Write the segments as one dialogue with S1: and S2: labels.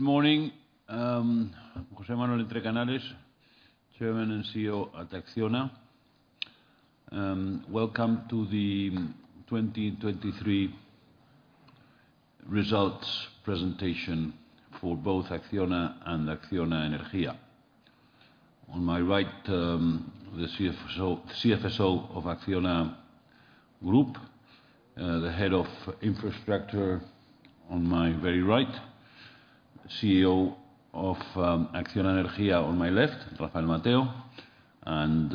S1: Good morning, José Manuel Entrecanales, Chairman and CEO at Acciona. Welcome to the 2023 results presentation for both Acciona and Acciona Energía. On my right, the CFSO of Acciona Group, the head of infrastructure on my very right, CEO of Acciona Energía on my left, Rafael Mateo, and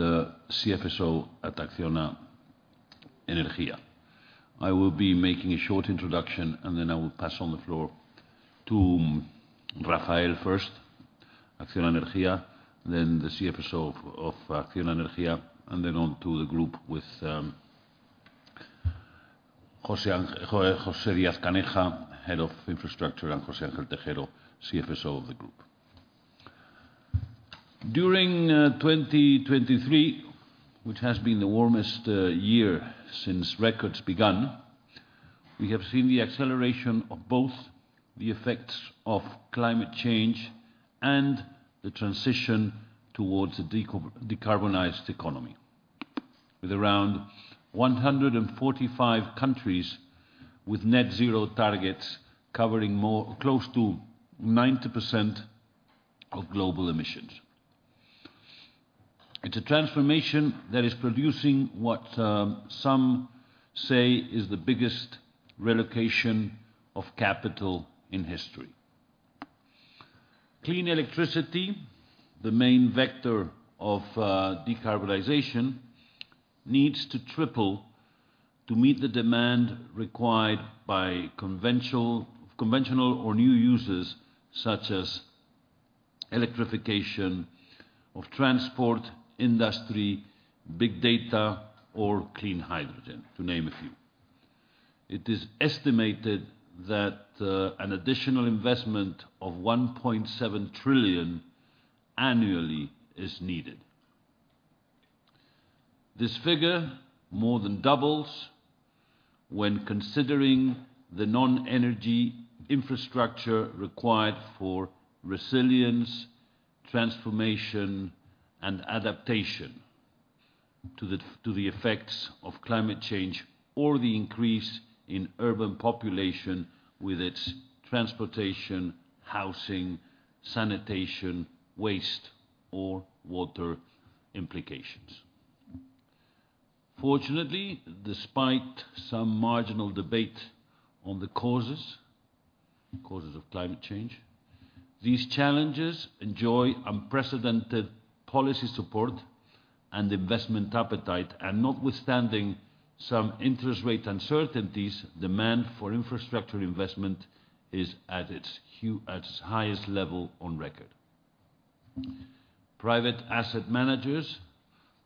S1: CFSO at Acciona Energía. I will be making a short introduction, and then I will pass on the floor to Rafael first, Acciona Energía, then the CFSO of Acciona Energía, and then on to the group with José Ángel Díaz-Caneja, head of infrastructure, and José Ángel Tejero, CFSO of the group. During 2023, which has been the warmest year since records began, we have seen the acceleration of both the effects of climate change and the transition towards a decarbonized economy, with around 145 countries with net-zero targets covering more close to 90% of global emissions. It's a transformation that is producing what, some say is the biggest relocation of capital in history. Clean electricity, the main vector of decarbonization, needs to triple to meet the demand required by conventional or new users such as electrification of transport, industry, big data, or clean hydrogen, to name a few. It is estimated that an additional investment of $1.7 trillion annually is needed. This figure more than doubles when considering the non-energy infrastructure required for resilience, transformation, and adaptation to the effects of climate change or the increase in urban population with its transportation, housing, sanitation, waste, or water implications. Fortunately, despite some marginal debate on the causes of climate change, these challenges enjoy unprecedented policy support and investment appetite. Notwithstanding some interest rate uncertainties, demand for infrastructure investment is at its highest level on record. Private asset managers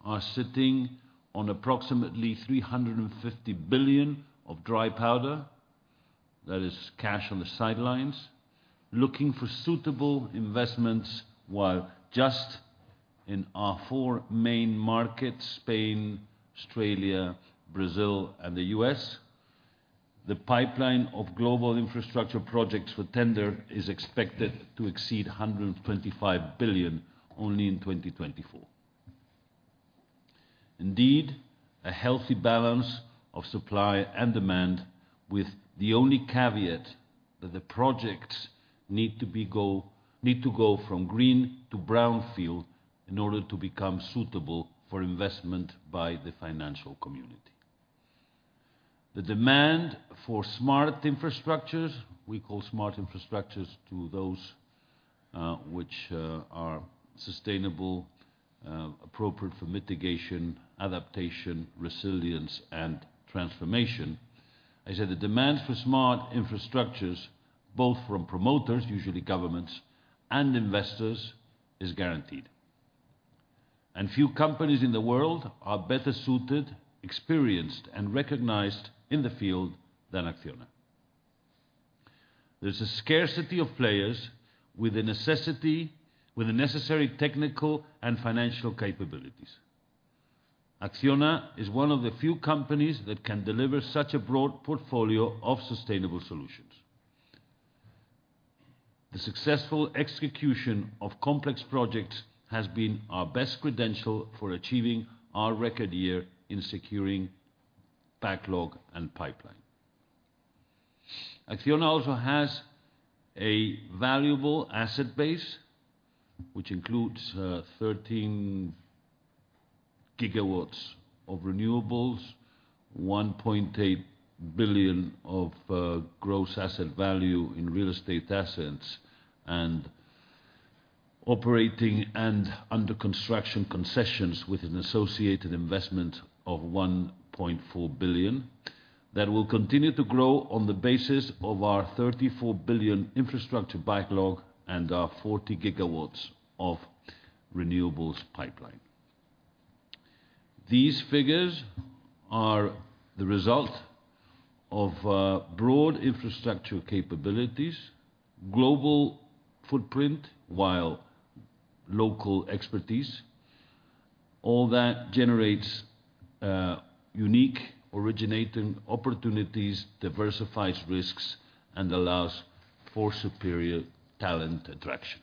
S1: are sitting on approximately 350 billion of dry powder that is cash on the sidelines looking for suitable investments while just in our four main markets, Spain, Australia, Brazil, and the U.S., the pipeline of global infrastructure projects for tender is expected to exceed 125 billion only in 2024. Indeed, a healthy balance of supply and demand, with the only caveat that the projects need to go from green to brownfield in order to become suitable for investment by the financial community. The demand for smart infrastructures we call smart infrastructures to those, which, are sustainable, appropriate for mitigation, adaptation, resilience, and transformation. I said the demand for smart infrastructures, both from promoters, usually governments, and investors, is guaranteed. Few companies in the world are better suited, experienced, and recognized in the field than ACCIONA. There's a scarcity of players with the necessary technical and financial capabilities. ACCIONA is one of the few companies that can deliver such a broad portfolio of sustainable solutions. The successful execution of complex projects has been our best credential for achieving our record year in securing backlog and pipeline. ACCIONA also has a valuable asset base, which includes 13 GW of renewables, 1.8 billion of gross asset value in real estate assets, and operating and under construction concessions with an associated investment of 1.4 billion that will continue to grow on the basis of our 34 billion infrastructure backlog and our 40 GW of renewables pipeline. These figures are the result of broad infrastructure capabilities, global footprint with local expertise. All that generates unique originating opportunities, diversifies risks, and allows for superior talent attraction.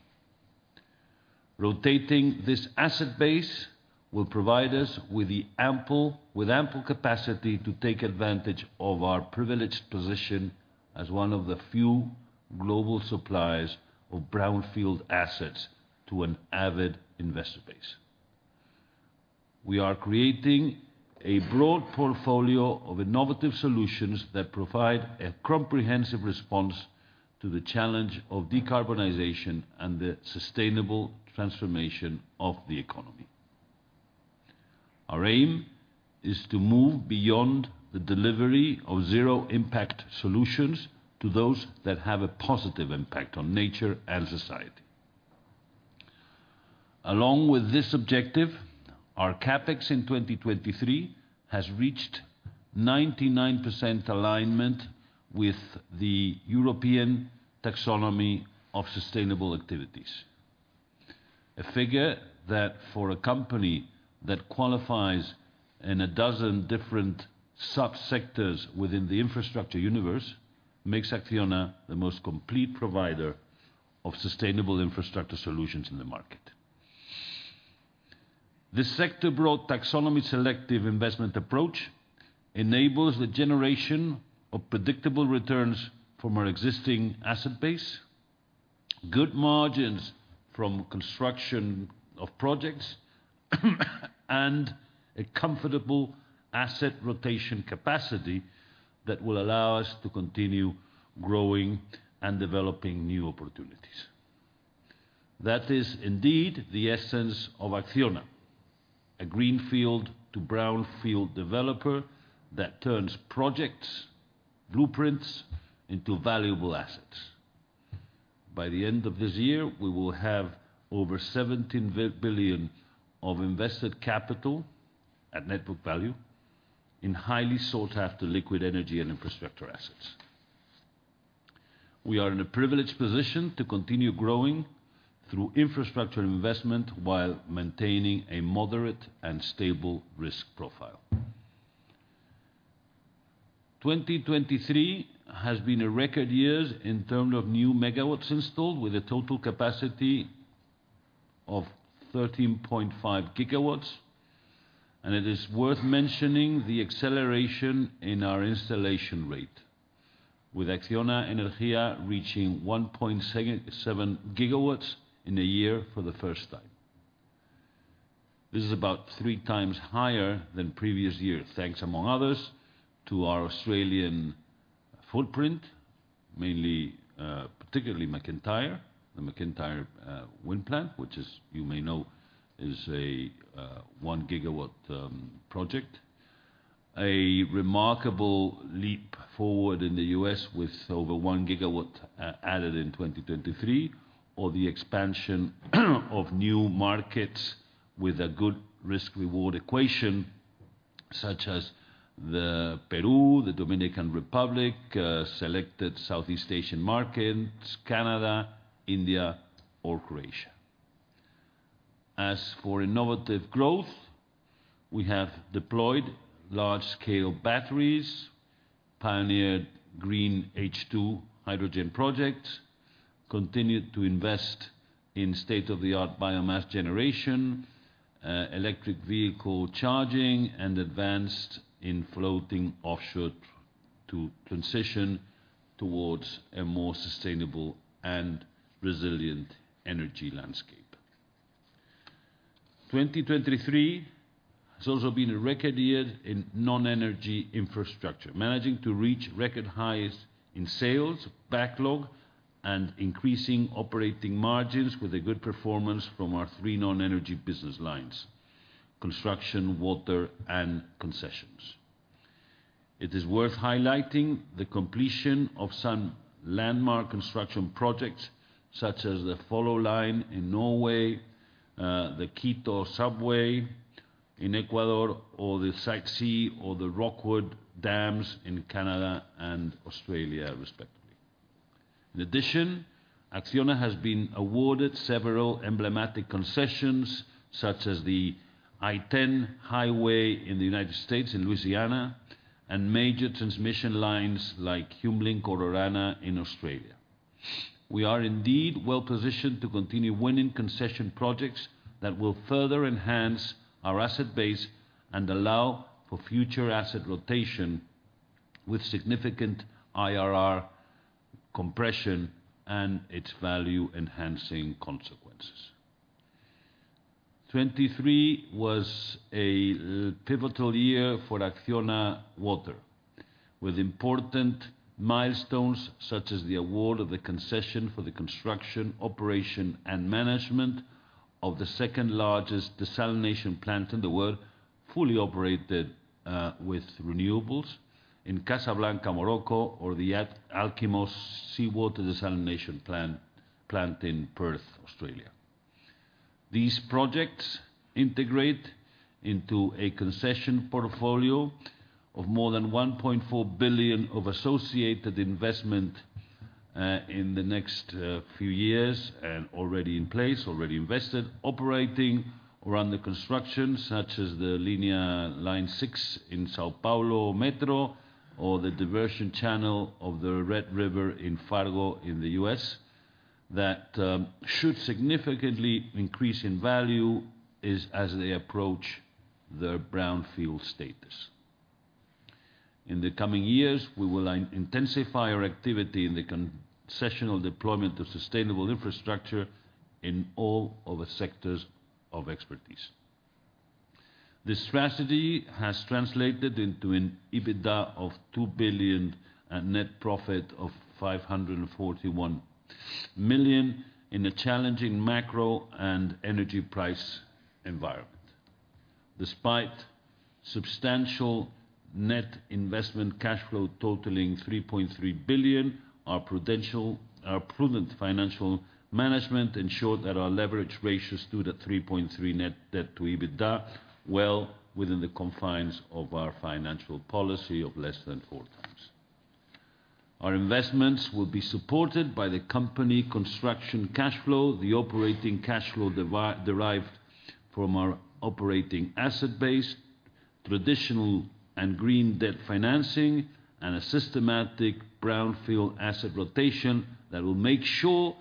S1: Rotating this asset base will provide us with ample capacity to take advantage of our privileged position as one of the few global suppliers of brownfield assets to an avid investor base. We are creating a broad portfolio of innovative solutions that provide a comprehensive response to the challenge of decarbonization and the sustainable transformation of the economy. Our aim is to move beyond the delivery of zero-impact solutions to those that have a positive impact on nature and society. Along with this objective, our CapEx in 2023 has reached 99% alignment with the European taxonomy of sustainable activities. A figure that for a company that qualifies in a dozen different subsectors within the infrastructure universe makes ACCIONA the most complete provider of sustainable infrastructure solutions in the market. This sector broad taxonomy selective investment approach enables the generation of predictable returns from our existing asset base, good margins from construction of projects, and a comfortable asset rotation capacity that will allow us to continue growing and developing new opportunities. That is indeed the essence of ACCIONA, a greenfield to brownfield developer that turns projects, blueprints into valuable assets. By the end of this year, we will have over 17 billion of invested capital at net book value in highly sought-after liquid energy and infrastructure assets. We are in a privileged position to continue growing through infrastructure investment while maintaining a moderate and stable risk profile. 2023 has been a record year in terms of new MW installed with a total capacity of 13.5 GW. It is worth mentioning the acceleration in our installation rate with ACCIONA Energía reaching 1.7 GW in a year for the first time. This is about three times higher than previous years, thanks among others to our Australian footprint, mainly, particularly MacIntyre wind plant, which you may know is a 1 GW project. A remarkable leap forward in the US with over 1 GW added in 2023 or the expansion of new markets with a good risk-reward equation such as Peru, the Dominican Republic, selected Southeast Asian markets, Canada, India, or Croatia. As for innovative growth, we have deployed large-scale batteries, pioneered green H2 hydrogen projects, continued to invest in state-of-the-art biomass generation, electric vehicle charging, and advanced in floating offshore to transition towards a more sustainable and resilient energy landscape. 2023 has also been a record year in non-energy infrastructure, managing to reach record highs in sales, backlog, and increasing operating margins with a good performance from our three non-energy business lines: construction, water, and concessions. It is worth highlighting the completion of some landmark construction projects such as the Follo Line in Norway, the Quito Subway in Ecuador, or the Site C or the Rookwood Dam in Canada and Australia, respectively. In addition, ACCIONA has been awarded several emblematic concessions such as the I-10 Highway in the United States in Louisiana and major transmission lines like HumeLink, Orana in Australia. We are indeed well-positioned to continue winning concession projects that will further enhance our asset base and allow for future asset rotation with significant IRR compression and its value-enhancing consequences. 2023 was a pivotal year for ACCIONA Water with important milestones such as the award of the concession for the construction, operation, and management of the second largest desalination plant in the world fully operated, with renewables in Casablanca, Morocco, or the Alkimos Seawater Desalination Plant in Perth, Australia. These projects integrate into a concession portfolio of more than 1.4 billion of associated investment in the next few years and already in place, already invested, operating around the construction such as the Line 6 in São Paulo Metro or the diversion channel of the Red River in Fargo in the US that should significantly increase in value as they approach their brownfield status. In the coming years, we will intensify our activity in the concessional deployment of sustainable infrastructure in all of our sectors of expertise. This strategy has translated into an EBITDA of 2 billion and net profit of 541 million in a challenging macro and energy price environment. Despite substantial net investment cash flow totaling 3.3 billion, our prudent financial management ensured that our leverage ratios stood at 3.3 net debt to EBITDA well within the confines of our financial policy of less than four times. Our investments will be supported by the company construction cash flow, the operating cash flow derived from our operating asset base, traditional and green debt financing, and a systematic brownfield asset rotation that will make sure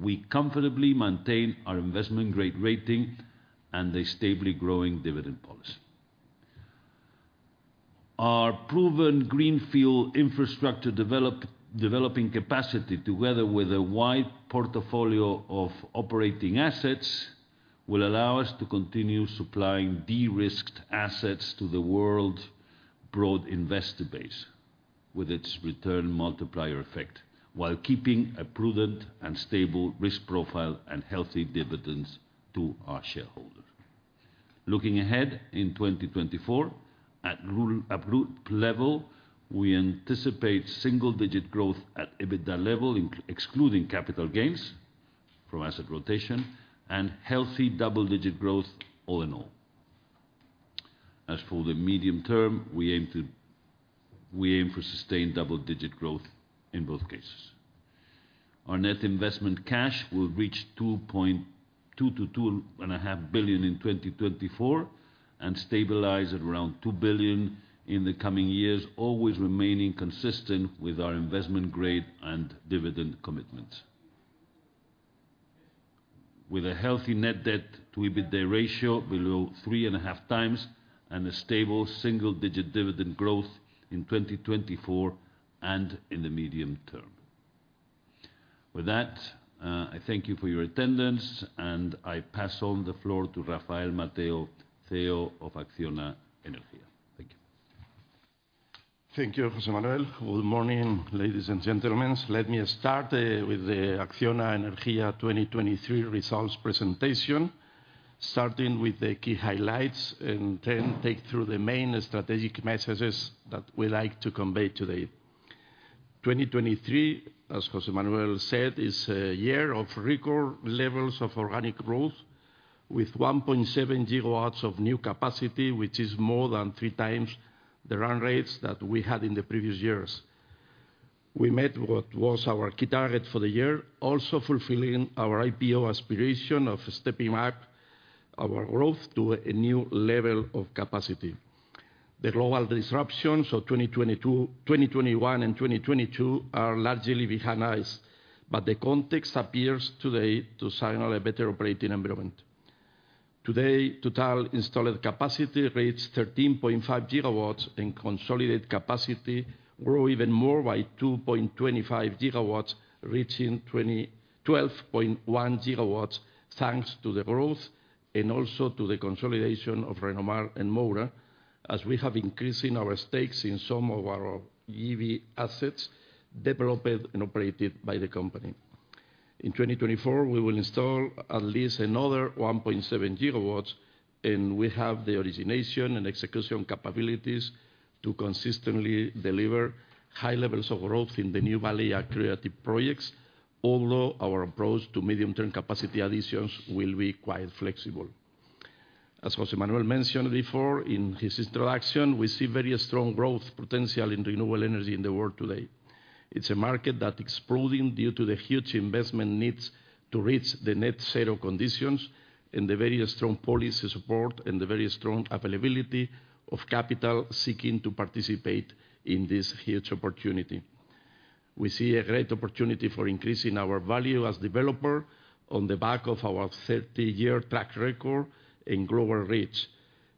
S1: we comfortably maintain our investment grade rating and a stably growing dividend policy. Our proven greenfield infrastructure developing capacity together with a wide portfolio of operating assets will allow us to continue supplying de-risked assets to the worldwide investor base with its return multiplier effect while keeping a prudent and stable risk profile and healthy dividends to our shareholders. Looking ahead in 2024, at the root level, we anticipate single-digit growth at EBITDA level excluding capital gains from asset rotation and healthy double-digit growth all in all. As for the medium term, we aim to we aim for sustained double-digit growth in both cases. Our net investment cash will reach 2.2 billion-2.5 billion in 2024 and stabilize at around 2 billion in the coming years, always remaining consistent with our investment grade and dividend commitments. With a healthy net debt to EBITDA ratio below 3.5x and a stable single-digit dividend growth in 2024 and in the medium term. With that, I thank you for your attendance and I pass on the floor to Rafael Mateo Alcalá, CEO of ACCIONA Energía. Thank you.
S2: Thank you, José Manuel. Good morning, ladies and gentlemen. Let me start with the ACCIONA Energía 2023 results presentation, starting with the key highlights and then take through the main strategic messages that we like to convey today. 2023, as José Manuel said, is a year of record levels of organic growth with 1.7 GW of new capacity, which is more than three times the run rates that we had in the previous years. We met what was our key target for the year, also fulfilling our IPO aspiration of stepping up our growth to a new level of capacity. The global disruptions, so 2022, 2021, and 2022, are largely behind us, but the context appears today to signal a better operating environment. Today, total installed capacity reached 13.5 GW and consolidated capacity grew even more by 2.25 GW, reaching 12.1 GW thanks to the growth and also to the consolidation of Renomar and more as we have increased our stakes in some of our EV assets developed and operated by the company. In 2024, we will install at least another 1.7 GW and we have the origination and execution capabilities to consistently deliver high levels of growth in the value-accretive projects, although our approach to medium-term capacity additions will be quite flexible. As José Manuel mentioned before in his introduction, we see very strong growth potential in renewable energy in the world today. It's a market that's exploding due to the huge investment needs to reach the net zero conditions and the very strong policy support and the very strong availability of capital seeking to participate in this huge opportunity. We see a great opportunity for increasing our value as developer on the back of our 30-year track record and global reach,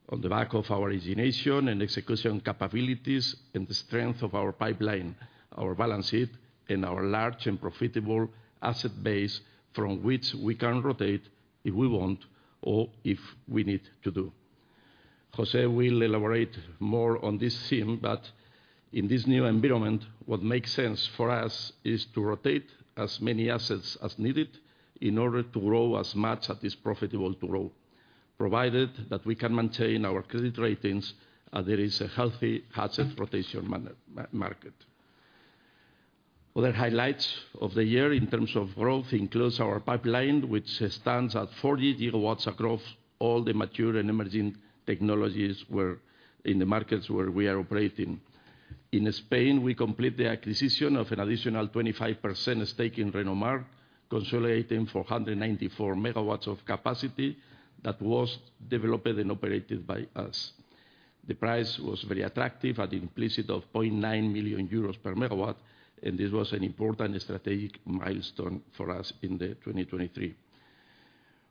S2: on the back of our origination and execution capabilities and the strength of our pipeline, our balance sheet, and our large and profitable asset base from which we can rotate if we want or if we need to do. José will elaborate more on this theme, but in this new environment, what makes sense for us is to rotate as many assets as needed in order to grow as much as is profitable to grow, provided that we can maintain our credit ratings and there is a healthy asset rotation market. Other highlights of the year in terms of growth include our pipeline, which stands at 40 GW across all the mature and emerging technologies in the markets where we are operating. In Spain, we completed the acquisition of an additional 25% stake in Renomar, consolidating 494 MW of capacity that was developed and operated by us. The price was very attractive at the implicit of 0.9 million euros per MW, and this was an important strategic milestone for us in 2023.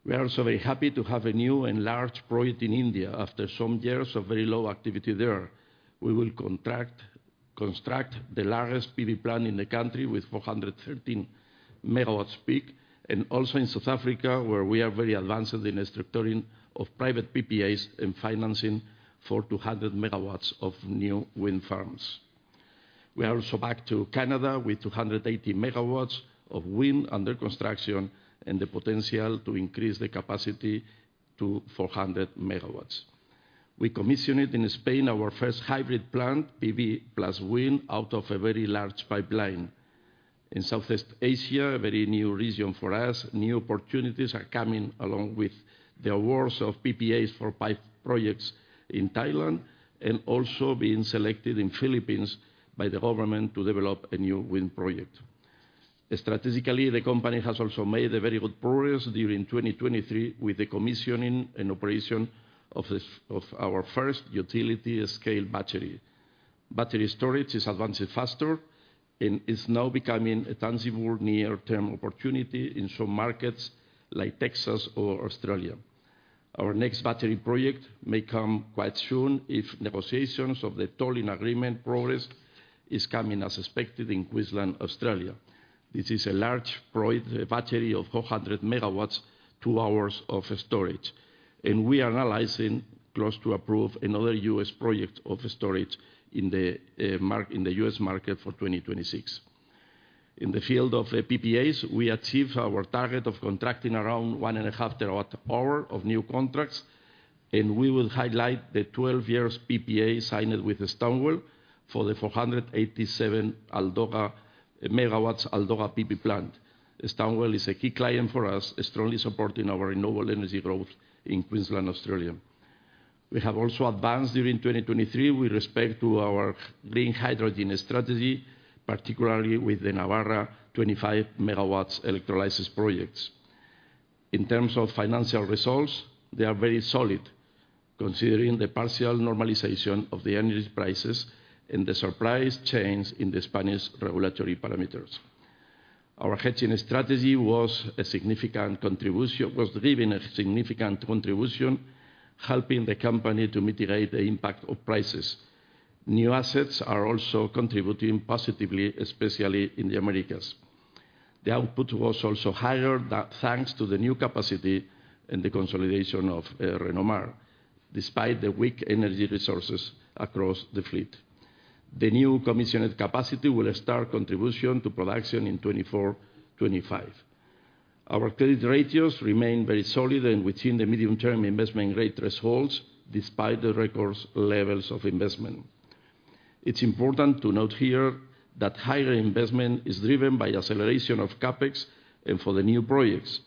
S2: We are also very happy to have a new and large project in India after some years of very low activity there. We will construct the largest PV plant in the country with 413 MW peak and also in South Africa, where we are very advanced in the structuring of private PPAs and financing for 200 MW of new wind farms. We are also back to Canada with 280 MW of wind under construction and the potential to increase the capacity to 400 MW. We commissioned in Spain our first hybrid plant, PV plus wind, out of a very large pipeline. In Southeast Asia, a very new region for us, new opportunities are coming along with the awards of PPAs for PV projects in Thailand and also being selected in the Philippines by the government to develop a new wind project. Strategically, the company has also made a very good progress during 2023 with the commissioning and operation of our first utility-scale battery. Battery storage is advancing faster and is now becoming a tangible near-term opportunity in some markets like Texas or Australia. Our next battery project may come quite soon if negotiations of the tolling agreement progress is coming as expected in Queensland, Australia. This is a large project, a battery of 400 MW, two hours of storage. We are analyzing close to approve another U.S. project of storage in the market in the U.S. market for 2026. In the field of PPAs, we achieved our target of contracting around 1.5 TWh of new contracts, and we will highlight the 12-year PPA signed with Stanwell for the 487 MW Aldoga PV plant. Stonewall is a key client for us, strongly supporting our renewable energy growth in Queensland, Australia. We have also advanced during 2023 with respect to our green hydrogen strategy, particularly with the Navarra 25 MW electrolysis projects. In terms of financial results, they are very solid considering the partial normalization of the energy prices and the surprise change in the Spanish regulatory parameters. Our hedging strategy was a significant contribution helping the company to mitigate the impact of prices. New assets are also contributing positively, especially in the Americas. The output was also higher thanks to the new capacity and the consolidation of Renomar, despite the weak energy resources across the fleet. The new commissioned capacity will start contribution to production in 2024-2025. Our credit ratios remain very solid and within the medium-term investment rate thresholds despite the record levels of investment. It's important to note here that higher investment is driven by acceleration of CapEx and for the new projects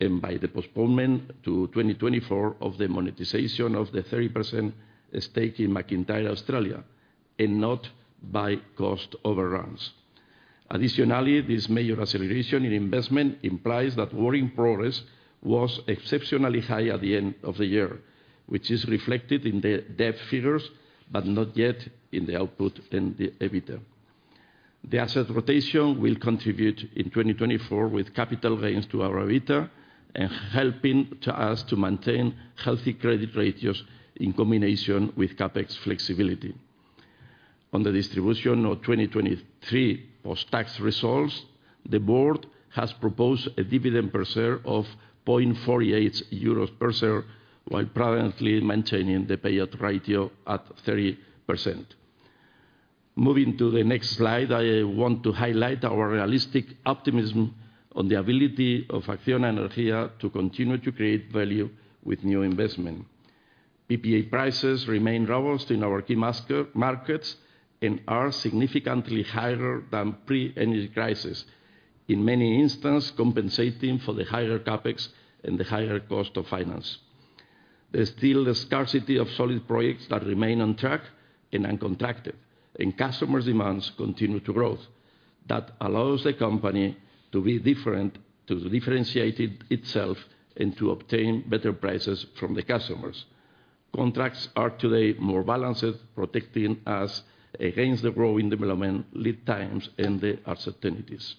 S2: and by the postponement to 2024 of the monetization of the 30% stake in McIntyre Australia and not by cost overruns. Additionally, this major acceleration in investment implies that working progress was exceptionally high at the end of the year, which is reflected in the debt figures but not yet in the output and the EBITDA. The asset rotation will contribute in 2024 with capital gains to our EBITDA and helping us to maintain healthy credit ratios in combination with CapEx flexibility. On the distribution of 2023 post-tax results, the board has proposed a dividend per share of 0.48 euros per share while presently maintaining the payout ratio at 30%. Moving to the next slide, I want to highlight our realistic optimism on the ability of ACCIONA Energía to continue to create value with new investment. PPA prices remain robust in our key markets and are significantly higher than pre-energy crisis, in many instances compensating for the higher CapEx and the higher cost of finance. There's still the scarcity of solid projects that remain on track and uncontracted, and customer demands continue to grow. That allows the company to be different to differentiate itself and to obtain better prices from the customers. Contracts are today more balanced, protecting us against the growing development lead times and the uncertainties.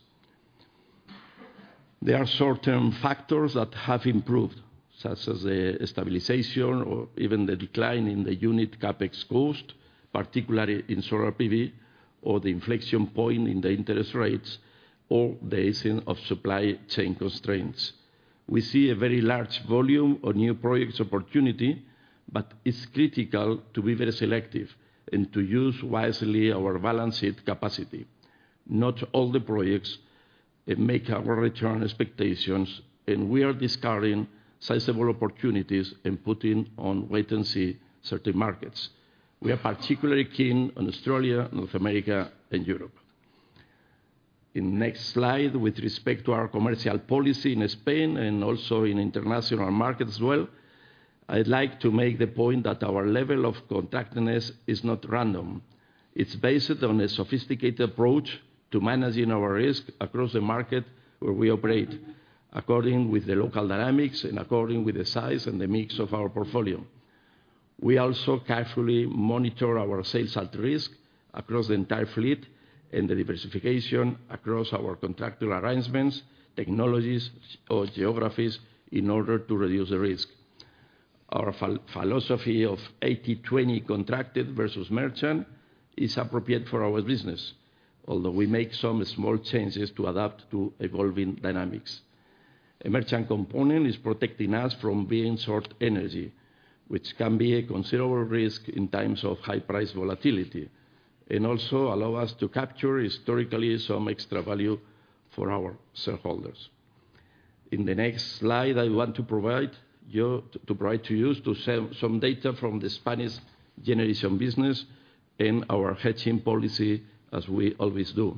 S2: There are short-term factors that have improved, such as the stabilization or even the decline in the unit CapEx cost, particularly in solar PV, or the inflection point in the interest rates or the easing of supply chain constraints. We see a very large volume of new projects opportunity, but it's critical to be very selective and to use wisely our balanced capacity. Not all the projects make our return expectations, and we are discovering sizable opportunities and putting on wait and see certain markets. We are particularly keen on Australia, North America, and Europe. In the next slide, with respect to our commercial policy in Spain and also in international markets as well, I'd like to make the point that our level of contractedness is not random. It's based on a sophisticated approach to managing our risk across the market where we operate, according to the local dynamics and according to the size and the mix of our portfolio. We also carefully monitor our sales at risk across the entire fleet and the diversification across our contractual arrangements, technologies, or geographies in order to reduce the risk. Our philosophy of 80/20 contracted versus merchant is appropriate for our business, although we make some small changes to adapt to evolving dynamics. A merchant component is protecting us from being short energy, which can be a considerable risk in times of high price volatility and also allow us to capture historically some extra value for our shareholders. In the next slide, I want to share some data from the Spanish generation business and our hedging policy, as we always do.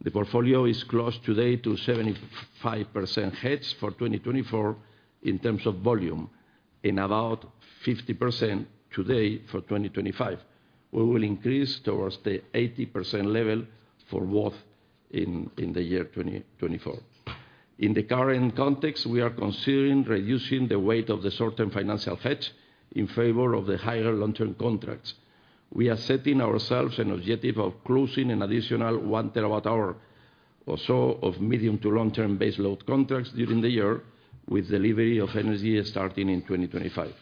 S2: The portfolio is closed today to 75% hedged for 2024 in terms of volume and about 50% today for 2025. We will increase towards the 80% level for both in the year 2024. In the current context, we are considering reducing the weight of the short-term financial hedge in favor of the higher long-term contracts. We are setting ourselves an objective of closing an additional 1 TWh or so of medium to long-term base load contracts during the year, with delivery of energy starting in 2025.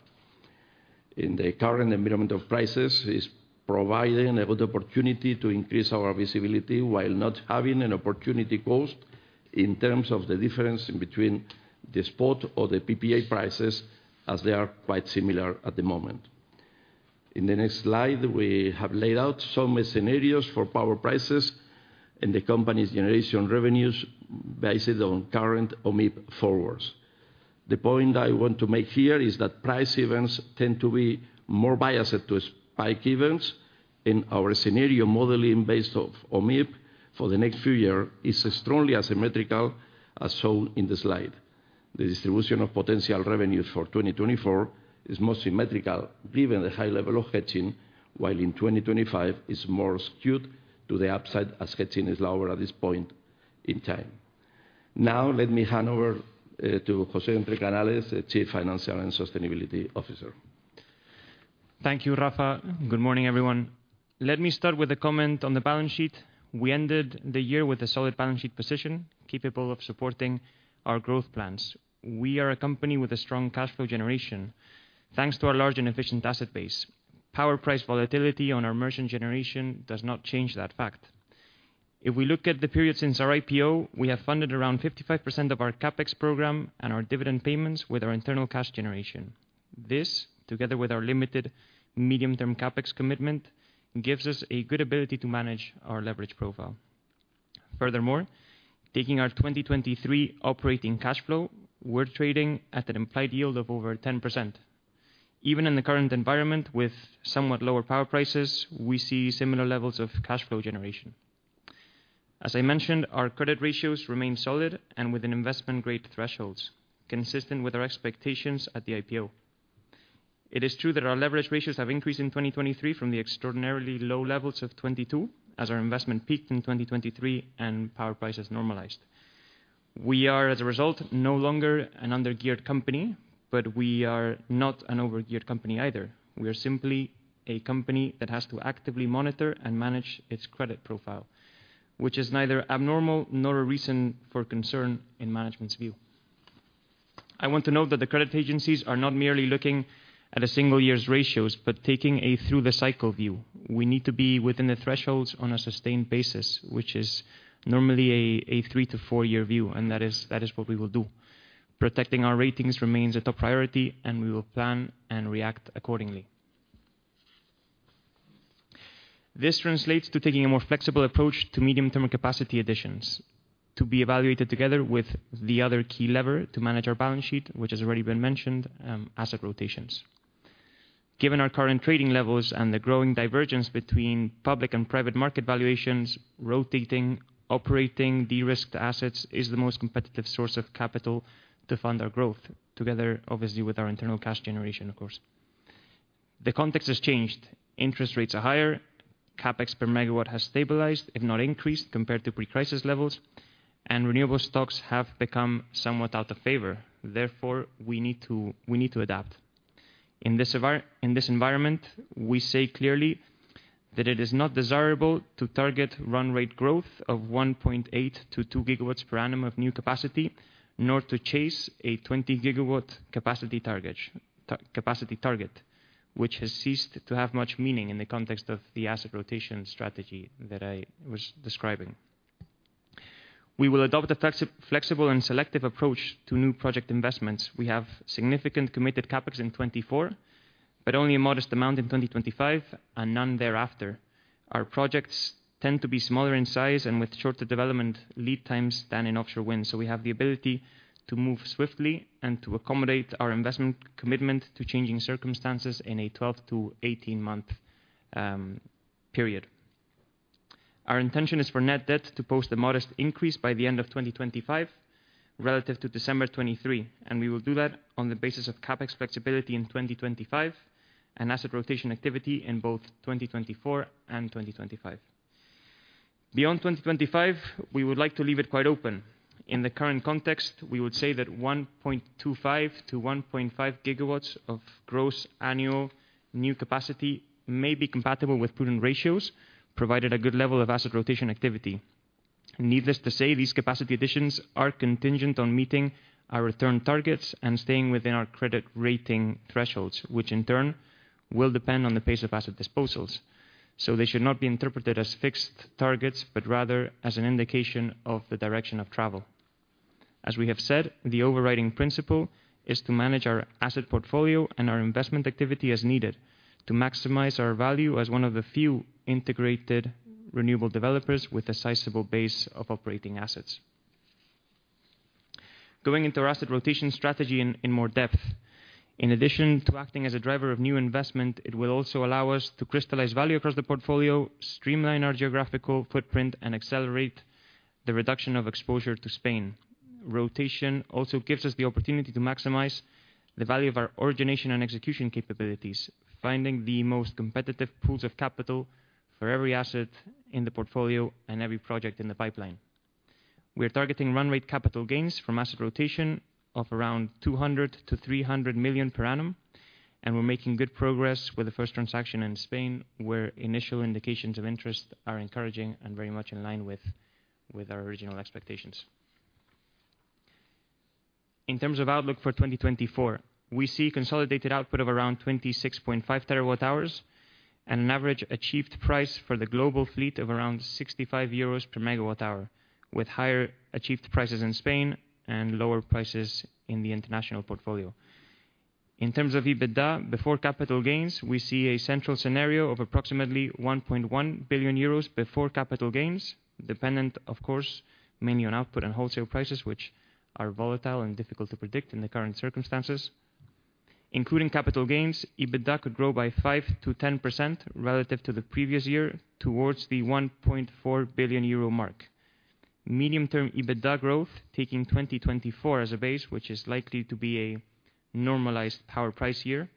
S2: In the current environment of prices, it's providing a good opportunity to increase our visibility while not having an opportunity cost in terms of the difference in between the spot or the PPA prices, as they are quite similar at the moment. In the next slide, we have laid out some scenarios for power prices and the company's generation revenues based on current OMIP forwards. The point I want to make here is that price events tend to be more biased to spike events, and our scenario modeling based on OMIP for the next few years is strongly asymmetrical as shown in the slide. The distribution of potential revenues for 2024 is most symmetrical given the high level of hedging, while in 2025 it's more skewed to the upside as hedging is lower at this point in time. Now, let me hand over to José Entrecanales, the Chief Financial and Sustainability Officer.
S3: Thank you, Rafa. Good morning, everyone. Let me start with a comment on the balance sheet. We ended the year with a solid balance sheet position capable of supporting our growth plans. We are a company with a strong cash flow generation thanks to our large and efficient asset base. Power price volatility on our merchant generation does not change that fact. If we look at the period since our IPO, we have funded around 55% of our CapEx program and our dividend payments with our internal cash generation. This, together with our limited medium-term CapEx commitment, gives us a good ability to manage our leverage profile. Furthermore, taking our 2023 operating cash flow, we're trading at an implied yield of over 10%. Even in the current environment with somewhat lower power prices, we see similar levels of cash flow generation. As I mentioned, our credit ratios remain solid and within investment-grade thresholds, consistent with our expectations at the IPO. It is true that our leverage ratios have increased in 2023 from the extraordinarily low levels of 2022, as our investment peaked in 2023 and power prices normalized. We are, as a result, no longer an under-geared company, but we are not an over-geared company either. We are simply a company that has to actively monitor and manage its credit profile, which is neither abnormal nor a reason for concern in management's view. I want to note that the credit agencies are not merely looking at a single year's ratios but taking a through-the-cycle view. We need to be within the thresholds on a sustained basis, which is normally a three-four-year view, and that is what we will do. Protecting our ratings remains a top priority, and we will plan and react accordingly. This translates to taking a more flexible approach to medium-term capacity additions to be evaluated together with the other key lever to manage our balance sheet, which has already been mentioned, asset rotations. Given our current trading levels and the growing divergence between public and private market valuations, rotating, operating de-risked assets is the most competitive source of capital to fund our growth, together, obviously, with our internal cash generation, of course. The context has changed. Interest rates are higher. CapEx per megawatt has stabilized, if not increased, compared to pre-crisis levels, and renewable stocks have become somewhat out of favor. Therefore, we need to adapt. In this environment, we say clearly that it is not desirable to target run-rate growth of 1.8-2 gigawatts per annum of new capacity nor to chase a 20-gigawatt capacity target, which has ceased to have much meaning in the context of the asset rotation strategy that I was describing. We will adopt a flexible and selective approach to new project investments. We have significant committed CapEx in 2024 but only a modest amount in 2025 and none thereafter. Our projects tend to be smaller in size and with shorter development lead times than in offshore wind, so we have the ability to move swiftly and to accommodate our investment commitment to changing circumstances in a 12-18-month period. Our intention is for net debt to post a modest increase by the end of 2025 relative to December 2023, and we will do that on the basis of CapEx flexibility in 2025 and asset rotation activity in both 2024 and 2025. Beyond 2025, we would like to leave it quite open. In the current context, we would say that 1.25-1.5 GW of gross annual new capacity may be compatible with prudent ratios provided a good level of asset rotation activity. Needless to say, these capacity additions are contingent on meeting our return targets and staying within our credit rating thresholds, which in turn will depend on the pace of asset disposals. So they should not be interpreted as fixed targets but rather as an indication of the direction of travel. As we have said, the overriding principle is to manage our asset portfolio and our investment activity as needed to maximize our value as one of the few integrated renewable developers with a sizable base of operating assets. Going into our asset rotation strategy in more depth, in addition to acting as a driver of new investment, it will also allow us to crystallize value across the portfolio, streamline our geographical footprint, and accelerate the reduction of exposure to Spain. Rotation also gives us the opportunity to maximize the value of our origination and execution capabilities, finding the most competitive pools of capital for every asset in the portfolio and every project in the pipeline. We are targeting run-rate capital gains from asset rotation of around 200 million-300 million per annum, and we're making good progress with the first transaction in Spain, where initial indications of interest are encouraging and very much in line with our original expectations. In terms of outlook for 2024, we see consolidated output of around 26.5 TWh and an average achieved price for the global fleet of around 65 euros per MWh, with higher achieved prices in Spain and lower prices in the international portfolio. In terms of EBITDA, before capital gains, we see a central scenario of approximately 1.1 billion euros before capital gains, dependent, of course, mainly on output and wholesale prices, which are volatile and difficult to predict in the current circumstances. Including capital gains, EBITDA could grow by 5%-10% relative to the previous year towards the 1.4 billion euro mark. Medium-term EBITDA growth, taking 2024 as a base, which is likely to be a normalized power price year,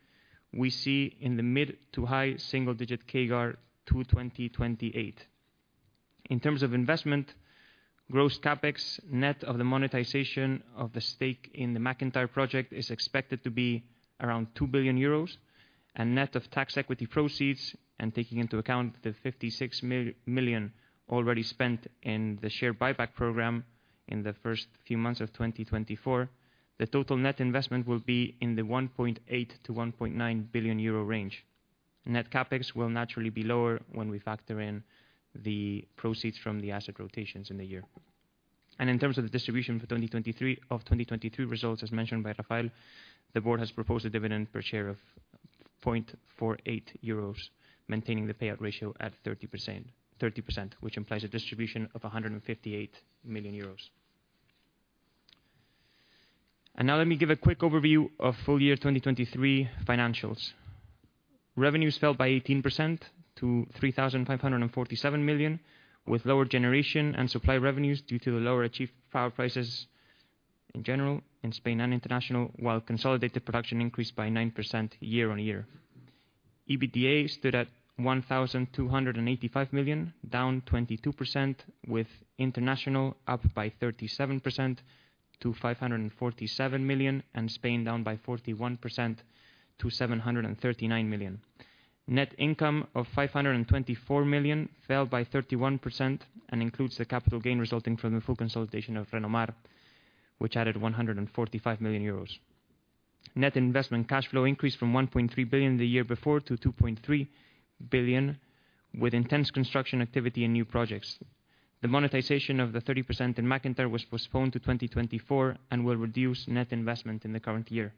S3: we see in the mid- to high single-digit CAGR to 2028. In terms of investment, gross CapEx net of the monetization of the stake in the McIntyre project is expected to be around 2 billion euros, and net of tax equity proceeds and taking into account the 56 million already spent in the share buyback program in the first few months of 2024, the total net investment will be in the 1.8 billion-1.9 billion euro range. Net CapEx will naturally be lower when we factor in the proceeds from the asset rotations in the year. In terms of the distribution for 2023 of 2022 results, as mentioned by Rafael, the board has proposed a dividend per share of 0.48 euros, maintaining the payout ratio at 30%, which implies a distribution of 158 million euros. And now let me give a quick overview of full year 2023 financials. Revenues fell by 18% to 3,547 million, with lower generation and supply revenues due to the lower achieved power prices in general in Spain and international, while consolidated production increased by 9% year on year. EBITDA stood at 1,285 million, down 22%, with international up by 37% to 547 million and Spain down by 41% to 739 million. Net income of 524 million fell by 31% and includes the capital gain resulting from the full consolidation of Renomar, which added 145 million euros. Net investment cash flow increased from 1.3 billion the year before to 2.3 billion, with intense construction activity and new projects. The monetization of the 30% in McIntyre was postponed to 2024 and will reduce net investment in the current year.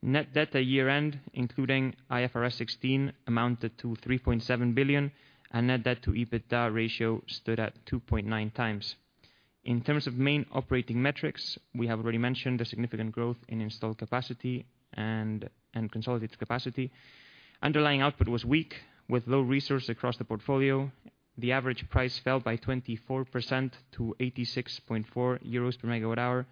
S3: Net debt at year-end, including IFRS 16, amounted to 3.7 billion, and net debt to EBITDA ratio stood at 2.9 times. In terms of main operating metrics, we have already mentioned the significant growth in installed capacity and consolidated capacity. Underlying output was weak, with low resource across the portfolio. The average price fell by 24% to 86.4 euros per megawatt-hour,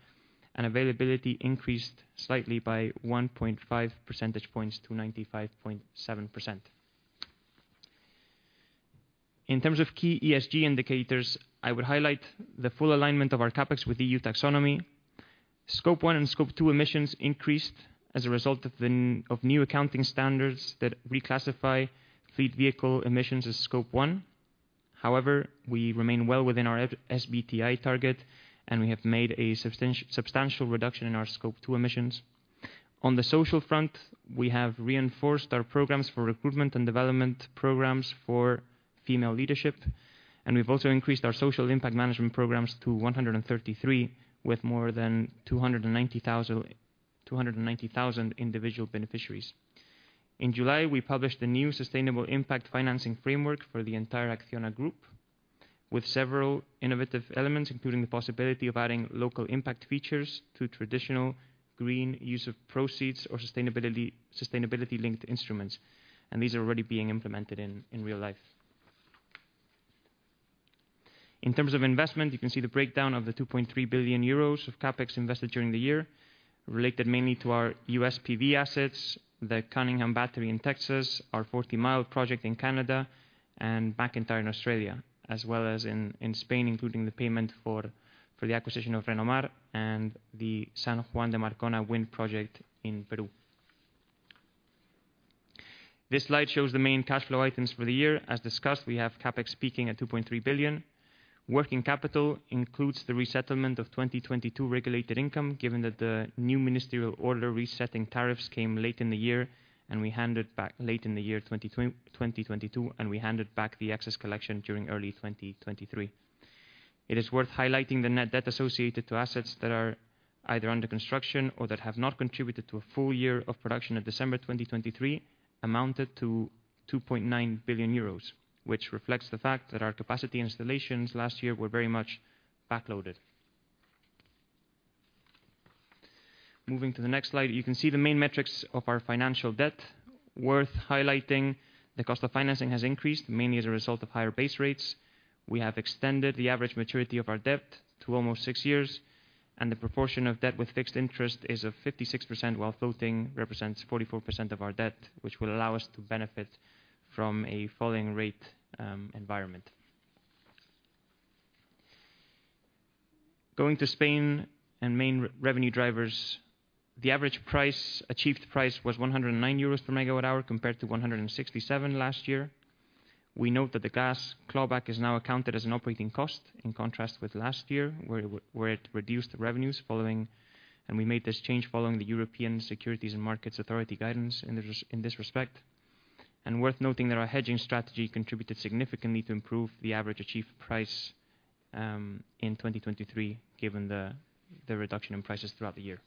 S3: and availability increased slightly by 1.5 percentage points to 95.7%. In terms of key ESG indicators, I would highlight the full alignment of our CapEx with EU Taxonomy. Scope one and Scope two emissions increased as a result of new accounting standards that reclassify fleet vehicle emissions as Scope one. However, we remain well within our SBTi target, and we have made a substantial reduction in our Scope two emissions. On the social front, we have reinforced our programs for recruitment and development programs for female leadership, and we've also increased our social impact management programs to 133, with more than 290,000 individual beneficiaries. In July, we published the new Sustainable Impact Financing Framework for the entire ACCIONA Group, with several innovative elements, including the possibility of adding local impact features to traditional green use of proceeds or sustainability-linked instruments. These are already being implemented in real life. In terms of investment, you can see the breakdown of the 2.3 billion euros of CapEx invested during the year, related mainly to our USPV assets, the Cunningham Battery in Texas, our 40-mile project in Canada, and McIntyre in Australia, as well as in Spain, including the payment for the acquisition of Renomar and the San Juan de Marcona wind project in Peru. This slide shows the main cash flow items for the year. As discussed, we have CapEx peaking at 2.3 billion. Working capital includes the resettlement of 2022 regulated income, given that the new ministerial order resetting tariffs came late in the year, and we handed back late in the year 2022, and we handed back the excess collection during early 2023. It is worth highlighting the net debt associated to assets that are either under construction or that have not contributed to a full year of production in December 2023, amounted to 2.9 billion euros, which reflects the fact that our capacity installations last year were very much backloaded. Moving to the next slide, you can see the main metrics of our financial debt. Worth highlighting, the cost of financing has increased, mainly as a result of higher base rates. We have extended the average maturity of our debt to almost six years, and the proportion of debt with fixed interest is of 56% while floating represents 44% of our debt, which will allow us to benefit from a falling rate environment. Going to Spain and main revenue drivers, the average achieved price was 109 euros per megawatt-hour compared to 167 last year. We note that the gas clawback is now accounted as an operating cost in contrast with last year, where it reduced revenues following, and we made this change following the European Securities and Markets Authority guidance in this respect. Worth noting that our hedging strategy contributed significantly to improve the average achieved price in 2023, given the reduction in prices throughout the year.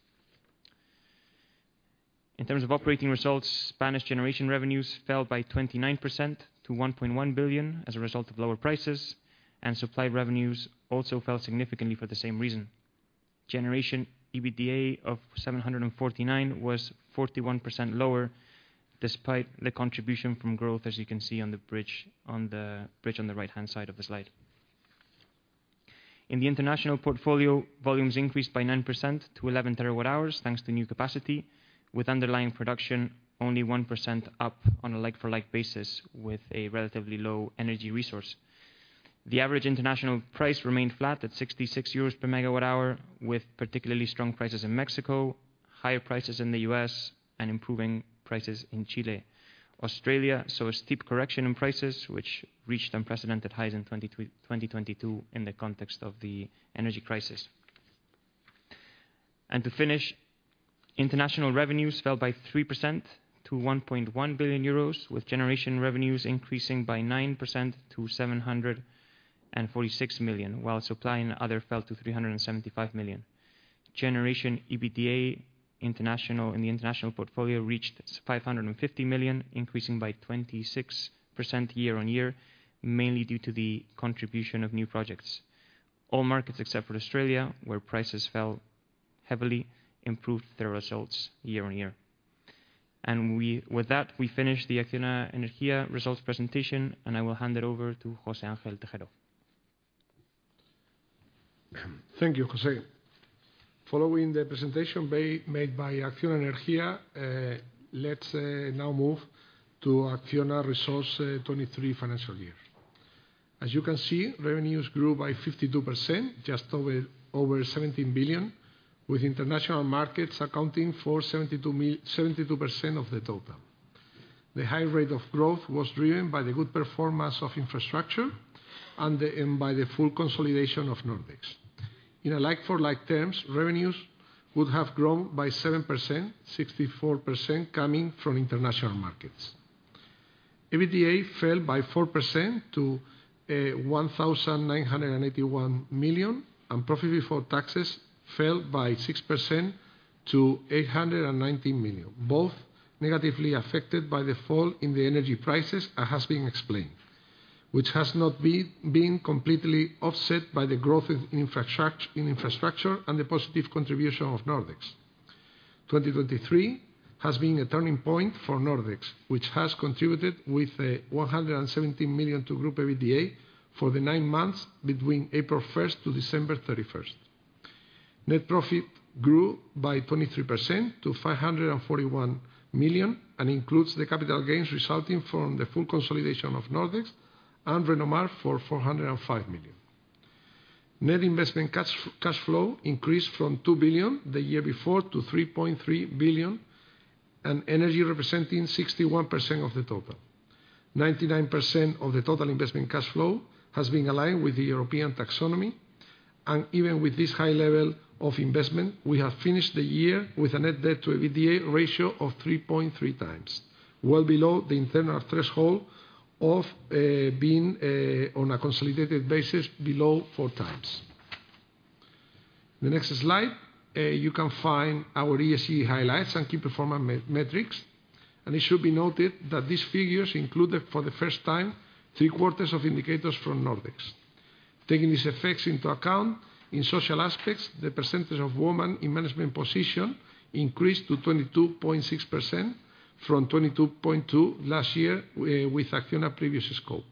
S3: In terms of operating results, Spanish generation revenues fell by 29% to 1.1 billion as a result of lower prices, and supply revenues also fell significantly for the same reason. Generation EBITDA of 749 million was 41% lower despite the contribution from growth, as you can see on the bridge on the right-hand side of the slide. In the international portfolio, volumes increased by 9% to 11 TWh thanks to new capacity, with underlying production only 1% up on a like-for-like basis with a relatively low energy resource. The average international price remained flat at 66 euros per MWh, with particularly strong prices in Mexico, higher prices in the U.S., and improving prices in Chile. Australia saw a steep correction in prices, which reached unprecedented highs in 2022 in the context of the energy crisis. To finish, international revenues fell by 3% to 1.1 billion euros, with generation revenues increasing by 9% to 746 million, while supply and other fell to 375 million. Generation EBITDA international in the international portfolio reached 550 million, increasing by 26% year-on-year, mainly due to the contribution of new projects. All markets except for Australia, where prices fell heavily, improved their results year-on-year. And with that, we finish the ACCIONA Energía results presentation, and I will hand it over to José Ángel Tejero.
S4: Thank you, José. Following the presentation made by ACCIONA Energía, let's now move to ACCIONA results 2023 financial year. As you can see, revenues grew by 52%, just over 17 billion, with international markets accounting for 72% of the total. The high rate of growth was driven by the good performance of infrastructure and by the full consolidation of Nordex. In like-for-like terms, revenues would have grown by 7%, 64% coming from international markets. EBITDA fell by 4% to 1,981 million, and profit before taxes fell by 6% to 819 million, both negatively affected by the fall in the energy prices as has been explained, which has not been completely offset by the growth in infrastructure and the positive contribution of Nordex. 2023 has been a turning point for Nordex, which has contributed with 117 million to group EBITDA for the nine months between April 1st to December 31st. Net profit grew by 23% to 541 million, and includes the capital gains resulting from the full consolidation of Nordex and Renomar for 405 million. Net investment cash flow increased from 2 billion the year before to 3.3 billion, and energy representing 61% of the total. 99% of the total investment cash flow has been aligned with the European taxonomy, and even with this high level of investment, we have finished the year with a net debt to EBITDA ratio of 3.3 times, well below the internal threshold of being on a consolidated basis below four times. In the next slide, you can find our ESG highlights and key performance metrics. It should be noted that these figures included, for the first time, three-quarters of indicators from Nordex. Taking these effects into account, in social aspects, the percentage of women in management position increased to 22.6% from 22.2% last year with ACCIONA previous scope.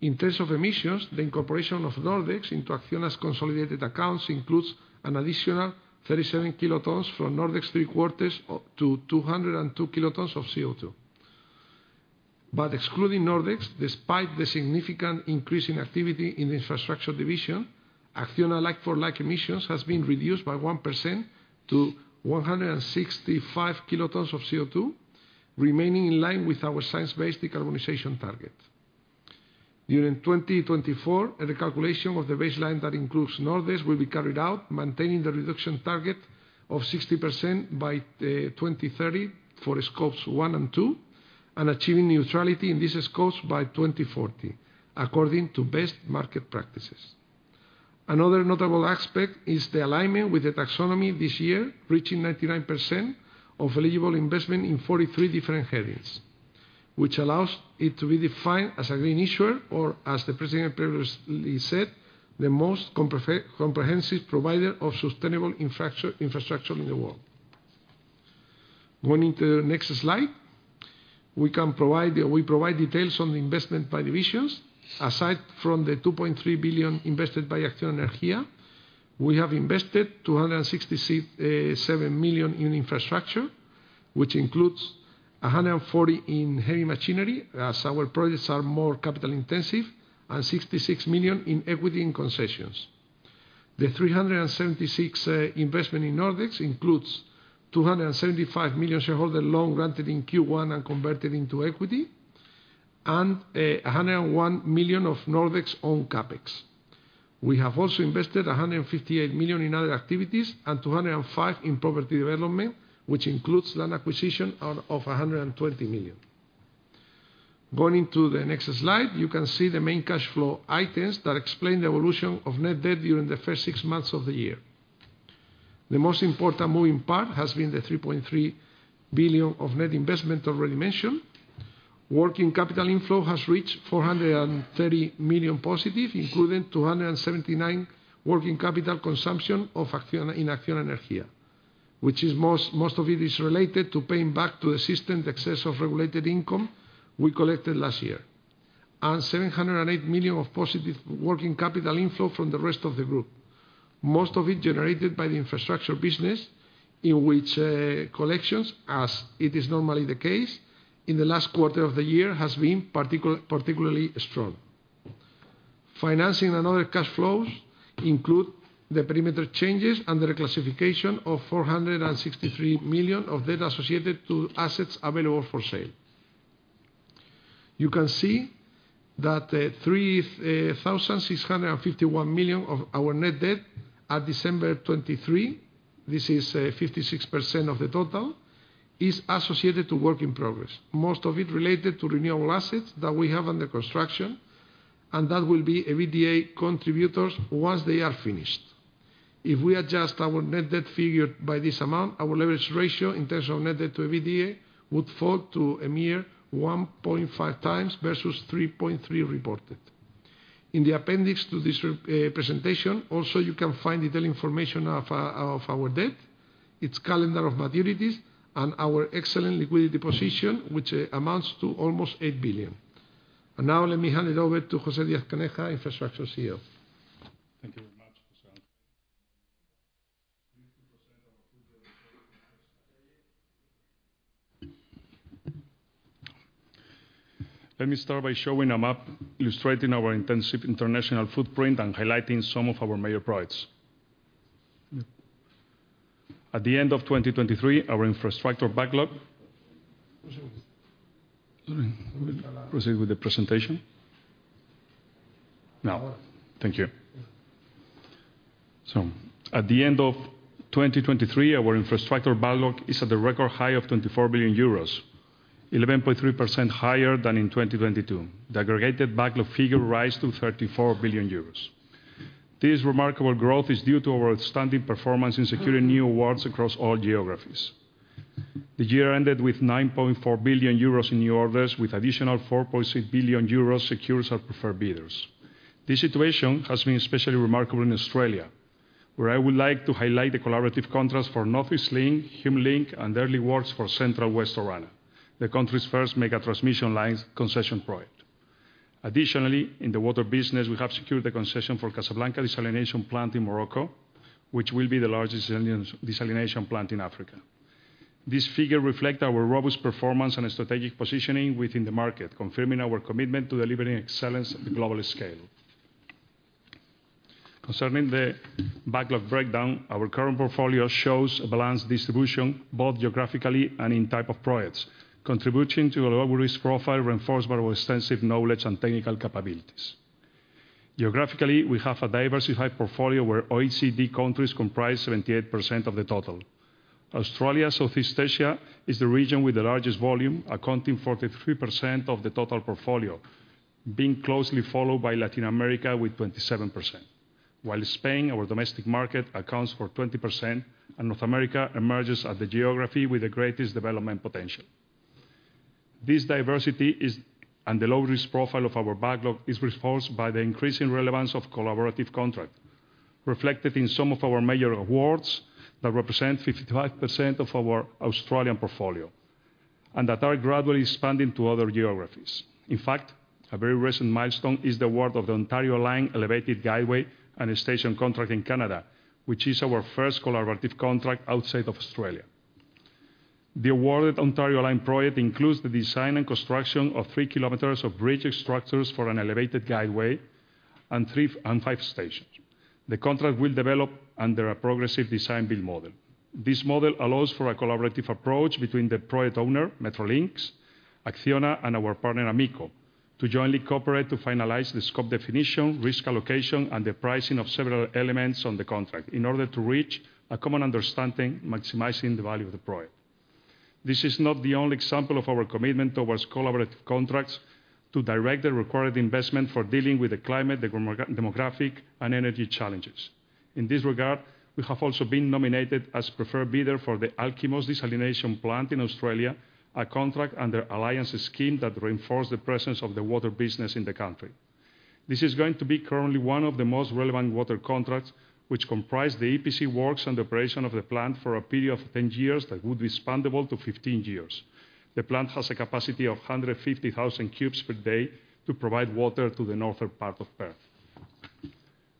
S4: In terms of emissions, the incorporation of Nordex into ACCIONA's consolidated accounts includes an additional 37 kilotons from Nordex three-quarters to 202 kilotons of CO2. But excluding Nordex, despite the significant increase in activity in the infrastructure division, ACCIONA like-for-like emissions has been reduced by 1% to 165 kilotons of CO2, remaining in line with our science-based decarbonization target. During 2024, a recalculation of the baseline that includes Nordex will be carried out, maintaining the reduction target of 60% by 2030 for scopes one and two, and achieving neutrality in these scopes by 2040, according to best market practices. Another notable aspect is the alignment with the taxonomy this year, reaching 99% of eligible investment in 43 different headings, which allows it to be defined as a green issuer or, as the president previously said, the most comprehensive provider of sustainable infrastructure in the world. Going into the next slide, we provide details on the investment by divisions. Aside from the 2.3 billion invested by Acciona Energía, we have invested 267 million in infrastructure, which includes 140 million in heavy machinery, as our projects are more capital-intensive, and 66 million in equity and concessions. The 376 million investment in Nordex includes 275 million shareholder loan granted in Q1 and converted into equity, and 101 million of Nordex owned CapEx. We have also invested 158 million in other activities and 205 million in property development, which includes land acquisition of 120 million. Going into the next slide, you can see the main cash flow items that explain the evolution of net debt during the first six months of the year. The most important moving part has been the 3.3 billion of net investment already mentioned. Working capital inflow has reached 430 million positive, including 279 million working capital consumption in ACCIONA Energía, which, most of it, is related to paying back to the system the excess of regulated income we collected last year, and 708 million of positive working capital inflow from the rest of the group, most of it generated by the infrastructure business, in which collections, as it is normally the case in the last quarter of the year, has been particularly strong. Financing and other cash flows include the perimeter changes and the reclassification of 463 million of debt associated to assets available for sale. You can see that 3,651 million of our net debt at December 2023, this is 56% of the total, is associated to work in progress, most of it related to renewable assets that we have under construction and that will be EBITDA contributors once they are finished. If we adjust our net debt figure by this amount, our leverage ratio in terms of net debt to EBITDA would fall to a mere 1.5x versus 3.3x reported. In the appendix to this presentation, also, you can find detailed information of our debt, its calendar of maturities, and our excellent liquidity position, which amounts to almost 8 billion. And now, let me hand it over to José Díaz-Caneja, Infrastructure CEO.
S5: Thank you very much, José Ángel. Let me start by showing a map illustrating our intensive international footprint and highlighting some of our major priorities. At the end of 2023, our infrastructure backlog. José Luis? Let me proceed with the presentation. Now. Thank you. So at the end of 2023, our infrastructure backlog is at the record high of EUR 24 billion, 11.3% higher than in 2022. The aggregated backlog figure rises to 34 billion euros. This remarkable growth is due to our outstanding performance in securing new awards across all geographies. The year ended with 9.4 billion euros in new orders, with additional 4.6 billion euros secured as preferred bidders. This situation has been especially remarkable in Australia, where I would like to highlight the collaborative contracts for North East Link, HumeLink, and early works for Central West Orana, the country's first mega transmission line concession project. Additionally, in the water business, we have secured the concession for Casablanca Desalination Plant in Morocco, which will be the largest desalination plant in Africa. This figure reflects our robust performance and strategic positioning within the market, confirming our commitment to delivering excellence at the global scale. Concerning the backlog breakdown, our current portfolio shows a balanced distribution both geographically and in type of projects, contributing to a low-risk profile reinforced by our extensive knowledge and technical capabilities. Geographically, we have a diversified portfolio where OECD countries comprise 78% of the total. Australia/South East Asia is the region with the largest volume, accounting for 43% of the total portfolio, being closely followed by Latin America with 27%, while Spain, our domestic market, accounts for 20%, and North America emerges as the geography with the greatest development potential. This diversity and the low-risk profile of our backlog is reinforced by the increasing relevance of collaborative contracts, reflected in some of our major awards that represent 55% of our Australian portfolio and that are gradually expanding to other geographies. In fact, a very recent milestone is the award of the Ontario Line Elevated Guideway and Station contract in Canada, which is our first collaborative contract outside of Australia. The awarded Ontario Line project includes the design and construction of three kilometers of bridge structures for an elevated guideway and five stations. The contract will develop under a progressive design-build model. This model allows for a collaborative approach between the project owner, Metrolinx, ACCIONA, and our partner, Amico, to jointly cooperate to finalize the scope definition, risk allocation, and the pricing of several elements on the contract in order to reach a common understanding, maximizing the value of the project. This is not the only example of our commitment towards collaborative contracts to direct the required investment for dealing with the climate, the demographic, and energy challenges. In this regard, we have also been nominated as preferred bidder for the Alkimos Seawater Desalination Plant in Australia, a contract under an alliance scheme that reinforces the presence of the water business in the country. This is going to be currently one of the most relevant water contracts, which comprise the EPC works and the operation of the plant for a period of 10 years that would be expandable to 15 years. The plant has a capacity of 150,000 cubes per day to provide water to the northern part of Perth.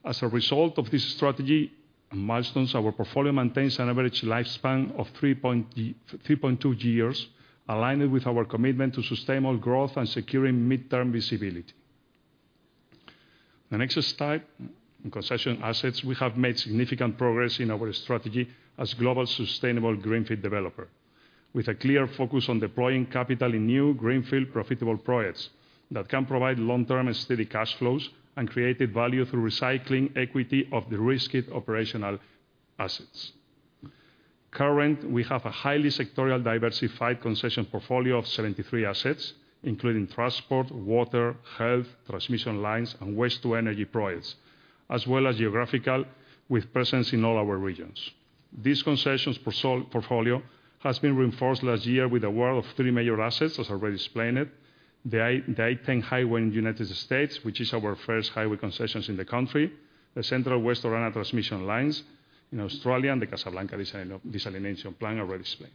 S5: As a result of this strategy and milestones, our portfolio maintains an average lifespan of 3.2 years, aligned with our commitment to sustainable growth and securing mid-term visibility. In the next step, in concession assets, we have made significant progress in our strategy as a global sustainable greenfield developer, with a clear focus on deploying capital in new greenfield profitable projects that can provide long-term and steady cash flows and create value through recycling equity of the risky operational assets. Currently, we have a highly sectoral, diversified concession portfolio of 73 assets, including transport, water, health, transmission lines, and waste-to-energy projects, as well as geographical, with presence in all our regions. This concession portfolio has been reinforced last year with the award of three major assets, as already explained, the I-10 highway in the United States, which is our first highway concession in the country, the Central West Orana transmission lines in Australia, and the Casablanca Desalination Plant, already explained.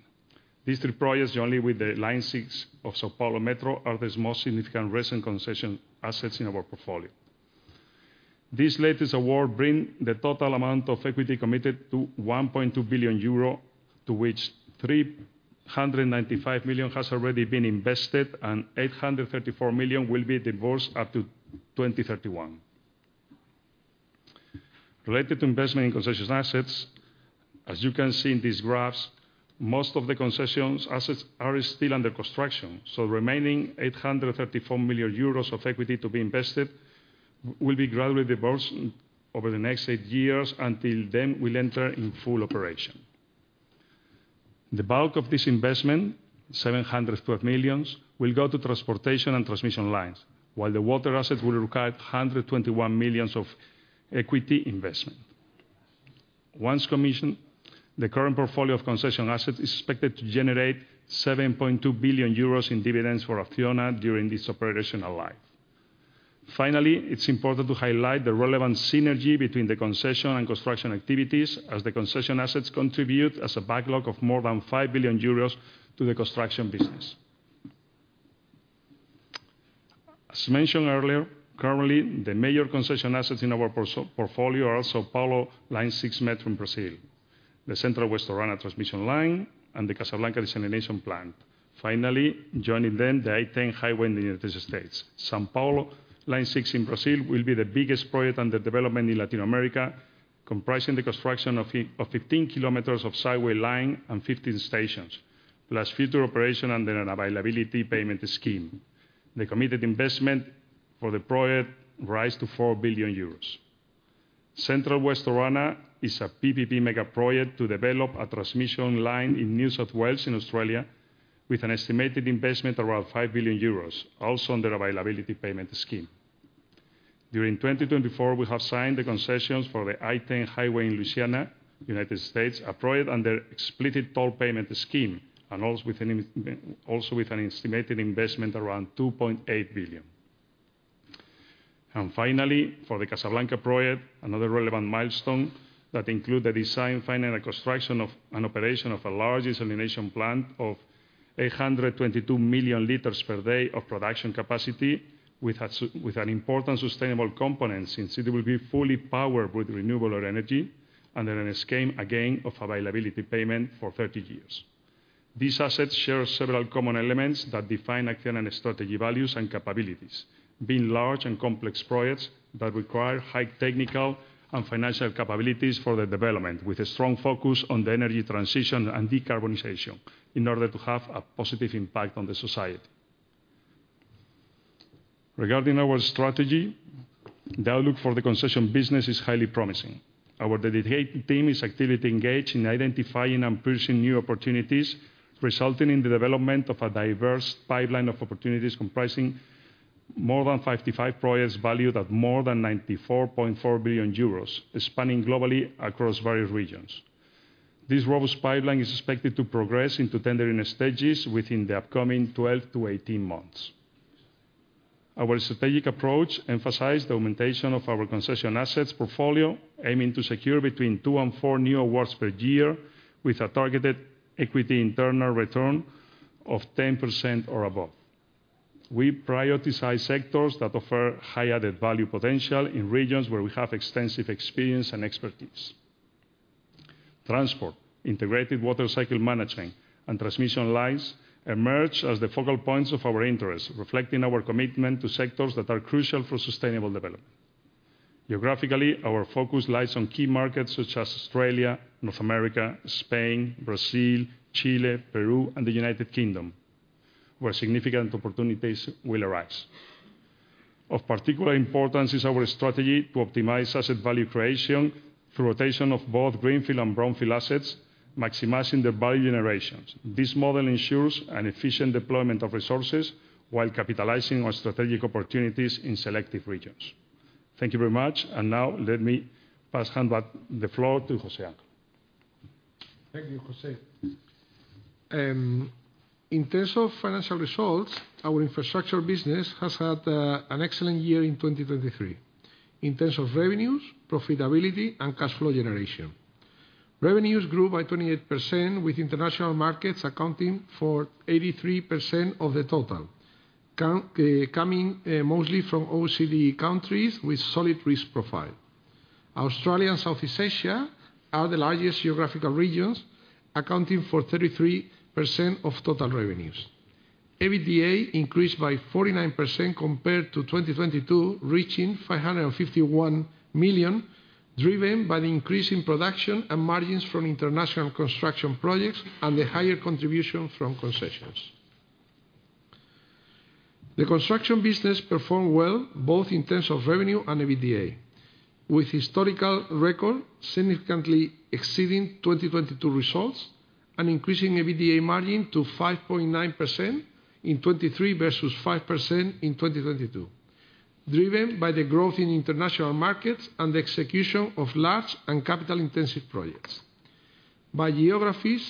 S5: These three projects, jointly with the Line six of São Paulo Metro, are the most significant recent concession assets in our portfolio. This latest award brings the total amount of equity committed to 1.2 billion euro, to which 395 million has already been invested, and 834 million will be deployed up to 2031. Related to investment in concession assets, as you can see in these graphs, most of the concession assets are still under construction. So the remaining 834 million euros of equity to be invested will be gradually deployed over the next eight years until then we'll enter in full operation. The bulk of this investment, 712 million, will go to transportation and transmission lines, while the water assets will require 121 million of equity investment. Once commissioned, the current portfolio of concession assets is expected to generate 7.2 billion euros in dividends for ACCIONA during its operational life. Finally, it's important to highlight the relevant synergy between the concession and construction activities, as the concession assets contribute as a backlog of more than 5 billion euros to the construction business. As mentioned earlier, currently, the major concession assets in our portfolio are São Paulo Line 6 Metro in Brazil, the Central West Orana transmission line, and the Casablanca Desalination Plant. Finally, joining them, the I-10 highway in the United States. São Paulo Line 6 in Brazil will be the biggest project under development in Latin America, comprising the construction of 15 kilometers of subway line and 15 stations, plus future operation and an availability payment scheme. The committed investment for the project rises to 4 billion euros. Central West Orana is a PPP mega project to develop a transmission line in New South Wales in Australia with an estimated investment around 5 billion euros, also under an availability payment scheme. During 2024, we have signed the concessions for the I-10 highway in Louisiana, United States, a project under an explicit toll payment scheme and also with an estimated investment around 2.8 billion. And finally, for the Casablanca project, another relevant milestone that includes the design, finance, and construction and operation of a large desalination plant of 822 million liters per day of production capacity with an important sustainable component, since it will be fully powered with renewable energy under a scheme, again, of availability payment for 30 years. These assets share several common elements that define ACCIONA's strategy values and capabilities, being large and complex projects that require high technical and financial capabilities for the development, with a strong focus on the energy transition and decarbonization in order to have a positive impact on the society. Regarding our strategy, the outlook for the concession business is highly promising. Our dedicated team is actively engaged in identifying and pursuing new opportunities, resulting in the development of a diverse pipeline of opportunities comprising more than 55 projects valued at more than 94.4 billion euros, spanning globally across various regions. This robust pipeline is expected to progress into tendering stages within the upcoming 12-18 months. Our strategic approach emphasizes the augmentation of our concession assets portfolio, aiming to secure between 2 and 4 new awards per year with a targeted equity internal return of 10% or above. We prioritize sectors that offer high-added value potential in regions where we have extensive experience and expertise. Transport, integrated water cycle management, and transmission lines emerge as the focal points of our interest, reflecting our commitment to sectors that are crucial for sustainable development. Geographically, our focus lies on key markets such as Australia, North America, Spain, Brazil, Chile, Peru, and the United Kingdom, where significant opportunities will arise. Of particular importance is our strategy to optimize asset value creation through rotation of both greenfield and brownfield assets, maximizing their value generations. This model ensures an efficient deployment of resources while capitalizing on strategic opportunities in selective regions. Thank you very much. And now, let me pass the floor to José Ángel.
S4: Thank you, José. In terms of financial results, our infrastructure business has had an excellent year in 2023 in terms of revenues, profitability, and cash flow generation. Revenues grew by 28%, with international markets accounting for 83% of the total, coming mostly from OECD countries with a solid risk profile. Australia and Southeast Asia are the largest geographical regions, accounting for 33% of total revenues. EBITDA increased by 49% compared to 2022, reaching 551 million, driven by the increase in production and margins from international construction projects and the higher contribution from concessions. The construction business performed well both in terms of revenue and EBITDA, with a historical record significantly exceeding 2022 results and increasing EBITDA margin to 5.9% in 2023 versus 5% in 2022, driven by the growth in international markets and the execution of large and capital-intensive projects. By geographies,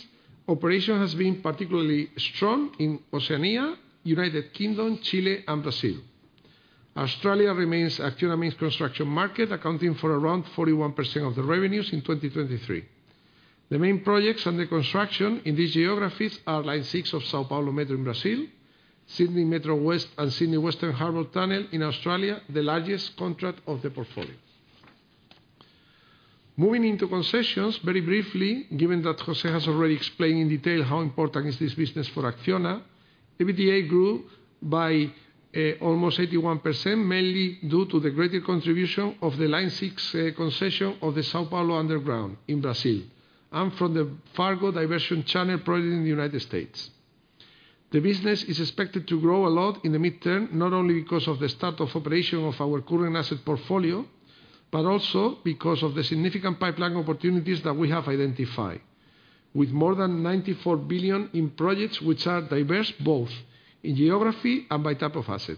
S4: operation has been particularly strong in Oceania, United Kingdom, Chile, and Brazil. Australia remains Acciona's main construction market, accounting for around 41% of the revenues in 2023. The main projects under construction in these geographies are Line 6 São Paulo Metro in Brazil, Sydney Metro West, and Sydney Western Harbour Tunnel in Australia, the largest contract of the portfolio. Moving into concessions, very briefly, given that José has already explained in detail how important this business is for ACCIONA, EBITDA grew by almost 81%, mainly due to the greater contribution of the Line 6 concession of the São Paulo Underground in Brazil and from the Red River Diversion Channel project in the United States. The business is expected to grow a lot in the mid-term, not only because of the start of operation of our current asset portfolio but also because of the significant pipeline opportunities that we have identified, with more than 94 billion in projects which are diverse both in geography and by type of asset.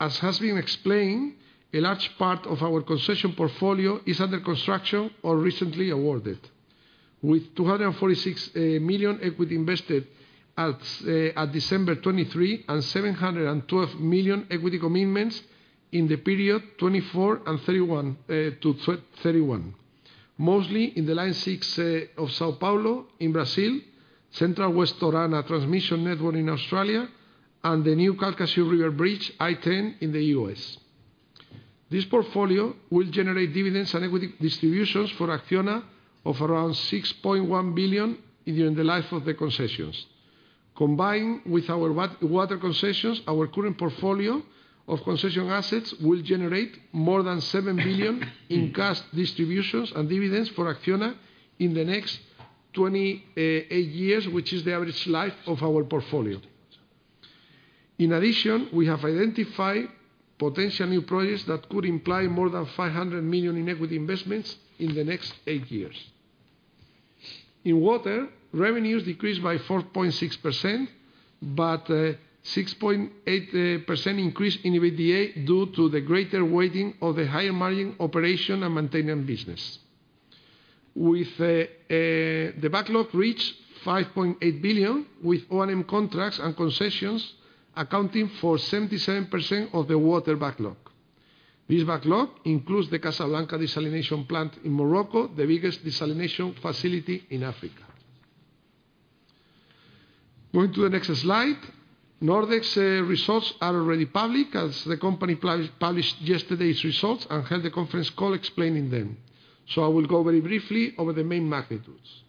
S4: As has been explained, a large part of our concession portfolio is under construction or recently awarded, with 246 million equity invested at December 2023 and 712 million equity commitments in the period 2024 and 2031 to 2031, mostly in the Line 6 of São Paulo in Brazil, Central West Orana Transmission Network in Australia, and the new Calcasieu River Bridge I-10 in the U.S. This portfolio will generate dividends and equity distributions for Acciona of around 6.1 billion during the life of the concessions. Combined with our water concessions, our current portfolio of concession assets will generate more than 7 billion in cash distributions and dividends for Acciona in the next 28 years, which is the average life of our portfolio. In addition, we have identified potential new projects that could imply more than 500 million in equity investments in the next eight years. In water, revenues decreased by 4.6% but 6.8% increased in EBITDA due to the greater weighting of the higher margin operation and maintenance business, with the backlog reaching 5.8 billion, with O&M contracts and concessions accounting for 77% of the water backlog. This backlog includes the Casablanca Desalination Plant in Morocco, the biggest desalination facility in Africa. Going to the next slide, Nordex results are already public, as the company published yesterday's results and held a conference call explaining them. So I will go very briefly over the main magnitudes.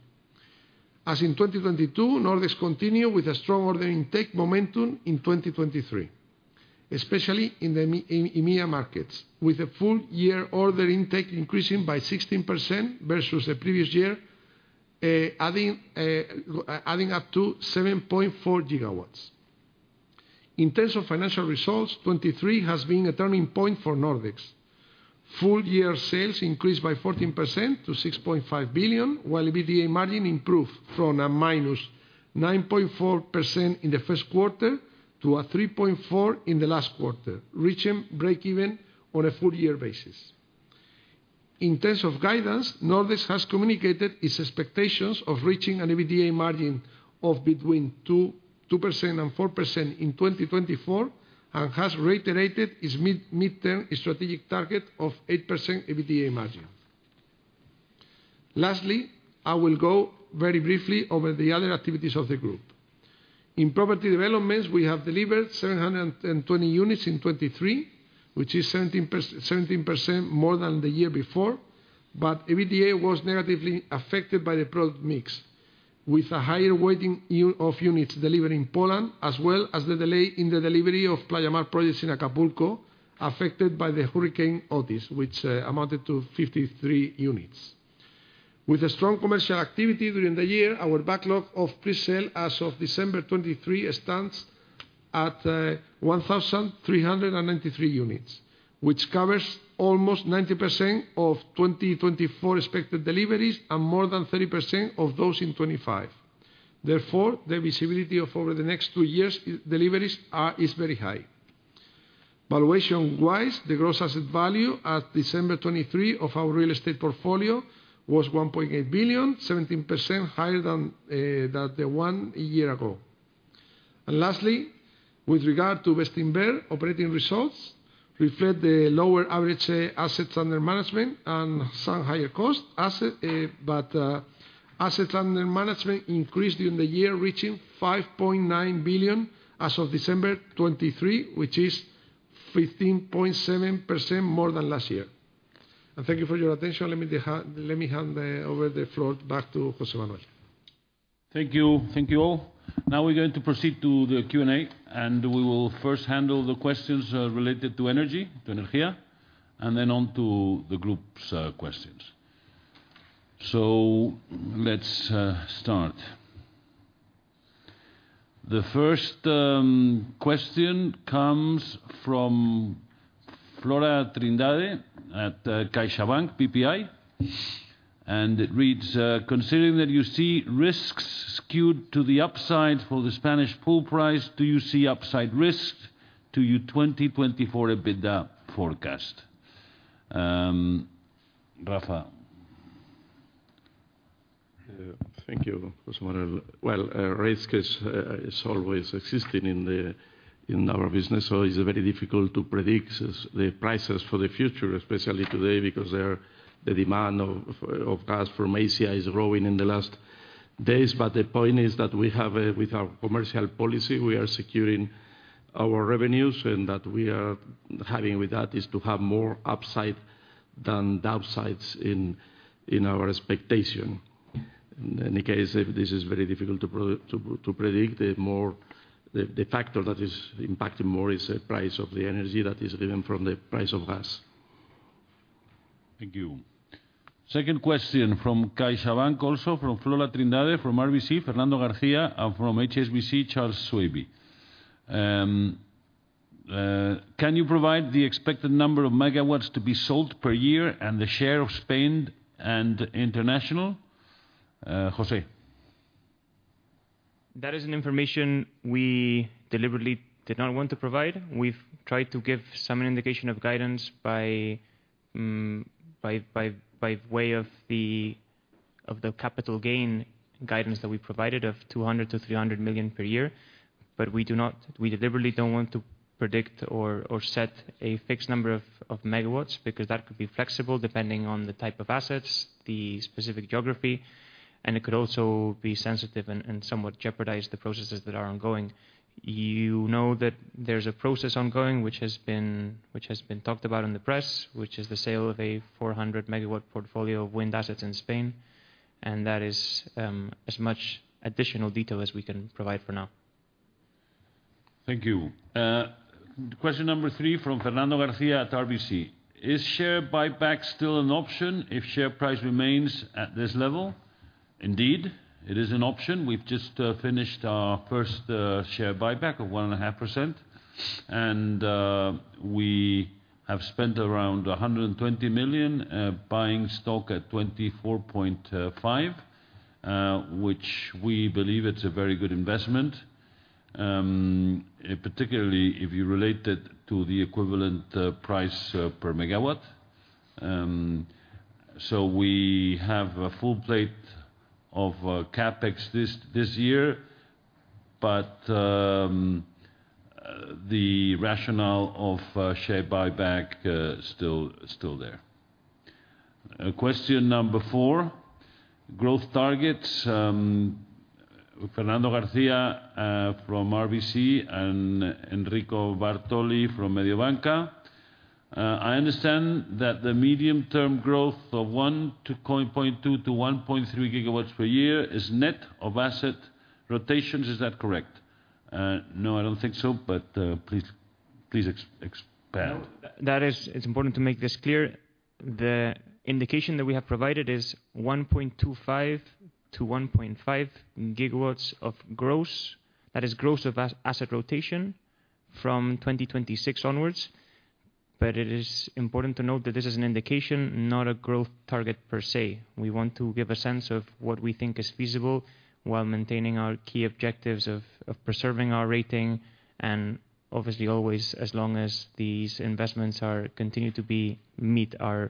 S4: As in 2022, Nordex continued with a strong order intake momentum in 2023, especially in the EMEA markets, with a full-year order intake increasing by 16% versus the previous year, adding up to 7.4 GW. In terms of financial results, 2023 has been a turning point for Nordex. Full-year sales increased by 14% to 6.5 billion, while EBITDA margin improved from -9.4% in the first quarter to 3.4% in the last quarter, reaching break-even on a full-year basis. In terms of guidance, Nordex has communicated its expectations of reaching an EBITDA margin of between 2% and 4% in 2024 and has reiterated its mid-term strategic target of 8% EBITDA margin. Lastly, I will go very briefly over the other activities of the group. In property developments, we have delivered 720 units in 2023, which is 17% more than the year before. EBITDA was negatively affected by the product mix, with a higher weighting of units delivered in Poland as well as the delay in the delivery of Playa Mar projects in Acapulco affected by the Hurricane Otis, which amounted to 53 units. With a strong commercial activity during the year, our backlog of presale as of December 2023 stands at 1,393 units, which covers almost 90% of 2024 expected deliveries and more than 30% of those in 2025. Therefore, the visibility of over the next two years' deliveries is very high. Valuation-wise, the gross asset value as of December 2023 of our real estate portfolio was 1.8 billion, 17% higher than the one a year ago. And lastly, with regard to Bestinver operating results, reflect the lower average assets under management and some higher cost, but assets under management increased during the year, reaching 5.9 billion as of December 2023, which is 15.7% more than last year. And thank you for your attention. Let me hand over the floor back to José Manuel. Thank you. Thank you all.
S1: Now we're going to proceed to the Q&A, and we will first handle the questions related to energy, to energía, and then on to the group's questions. So let's start. The first question comes from Flora Trindade at CaixaBank, BPI, and it reads, "Considering that you see risks skewed to the upside for the Spanish pool price, do you see upside risk to your 2024 EBITDA forecast?" Rafa.
S2: Thank you, José Manuel. Well, risk is always existing in our business, so it's very difficult to predict the prices for the future, especially today, because the demand of gas from Asia is growing in the last days. But the point is that with our commercial policy, we are securing our revenues, and what we are having with that is to have more upside than downsides in our expectation. In any case, this is very difficult to predict. The factor that is impacting more is the price of the energy that is driven from the price of gas.
S1: Thank you. Second question from CaixaBank also, from Flora Trindade, from RBC, Fernando García, and from HSBC, Charles Swabey. Can you provide the expected number of megawatts to be sold per year and the share of Spain and international? José.
S3: That is an information we deliberately did not want to provide. We've tried to give some indication of guidance by way of the capital gain guidance that we provided of 200 million-300 million per year. But we deliberately don't want to predict or set a fixed number of megawatts because that could be flexible depending on the type of assets, the specific geography, and it could also be sensitive and somewhat jeopardize the processes that are ongoing. You know that there's a process ongoing which has been talked about in the press, which is the sale of a 400-megawatt portfolio of wind assets in Spain. That is as much additional detail as we can provide for now.
S1: Thank you. Question number three from Fernando García at RBC. Is share buyback still an option if share price remains at this level? Indeed, it is an option. We've just finished our first share buyback of 1.5%. We have spent around 120 million buying stock at 24.5, which we believe it's a very good investment, particularly if you relate it to the equivalent price per megawatt. We have a full plate of CapEx this year, but the rationale of share buyback is still there. Question number four, growth targets. Fernando García from RBC and Enrico Bartoli from Mediobanca. I understand that the medium-term growth of 1.2-1.3 GW per year is net of asset rotations. Is that correct? No, I don't think so. But please expand.
S3: It's important to make this clear. The indication that we have provided is 1.25-1.5 GW of gross. That is gross of asset rotation from 2026 onwards. But it is important to note that this is an indication, not a growth target per se. We want to give a sense of what we think is feasible while maintaining our key objectives of preserving our rating and, obviously, always as long as these investments continue to meet our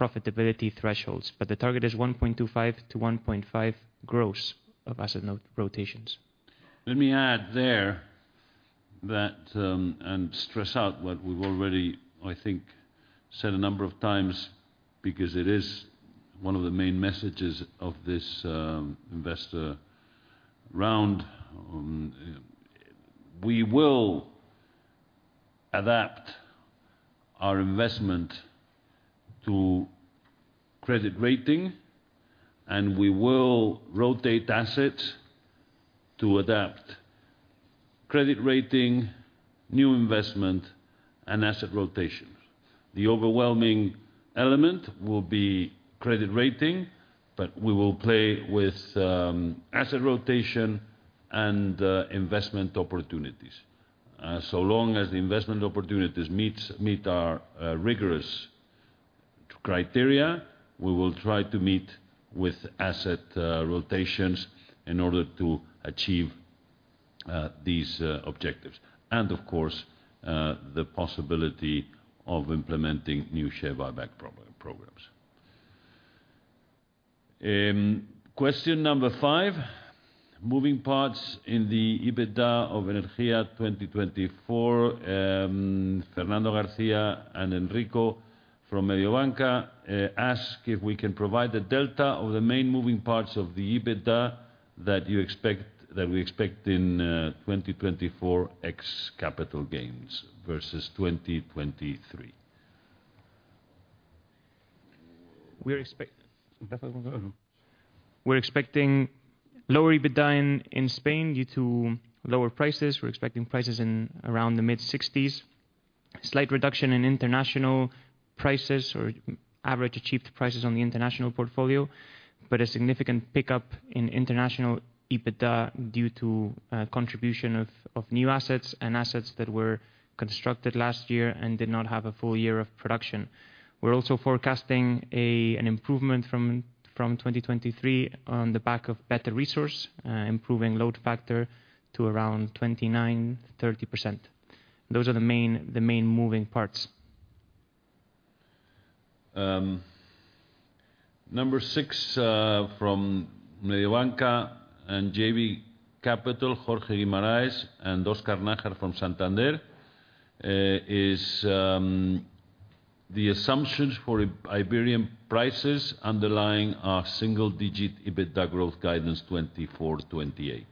S3: profitability thresholds. But the target is 1.25-1.5 GW gross of asset rotations.
S1: Let me add there and stress out what we've already, I think, said a number of times because it is one of the main messages of this investor round. We will adapt our investment to credit rating, and we will rotate assets to adapt credit rating, new investment, and asset rotation. The overwhelming element will be credit rating, but we will play with asset rotation and investment opportunities. So long as the investment opportunities meet our rigorous criteria, we will try to meet with asset rotations in order to achieve these objectives and, of course, the possibility of implementing new share buyback programs. Question number five, moving parts in the EBITDA of Energía 2024. Fernando García and Enrico from Mediobanca ask if we can provide the delta of the main moving parts of the EBITDA that we expect in 2024 ex-capital gains versus 2023.
S3: We're expecting lower EBITDA in Spain due to lower prices. We're expecting prices around the mid-60s, slight reduction in international prices or average achieved prices on the international portfolio, but a significant pickup in international EBITDA due to contribution of new assets and assets that were constructed last year and did not have a full year of production. We're also forecasting an improvement from 2023 on the back of better resource, improving load factor to around 29%-30%. Those are the main moving parts.
S1: Number six from Mediobanca and JB Capital, Jorge Guimarães, and Oscar Najar from Santander is the assumptions for Iberian prices underlying a single-digit EBITDA growth guidance 2024/2028.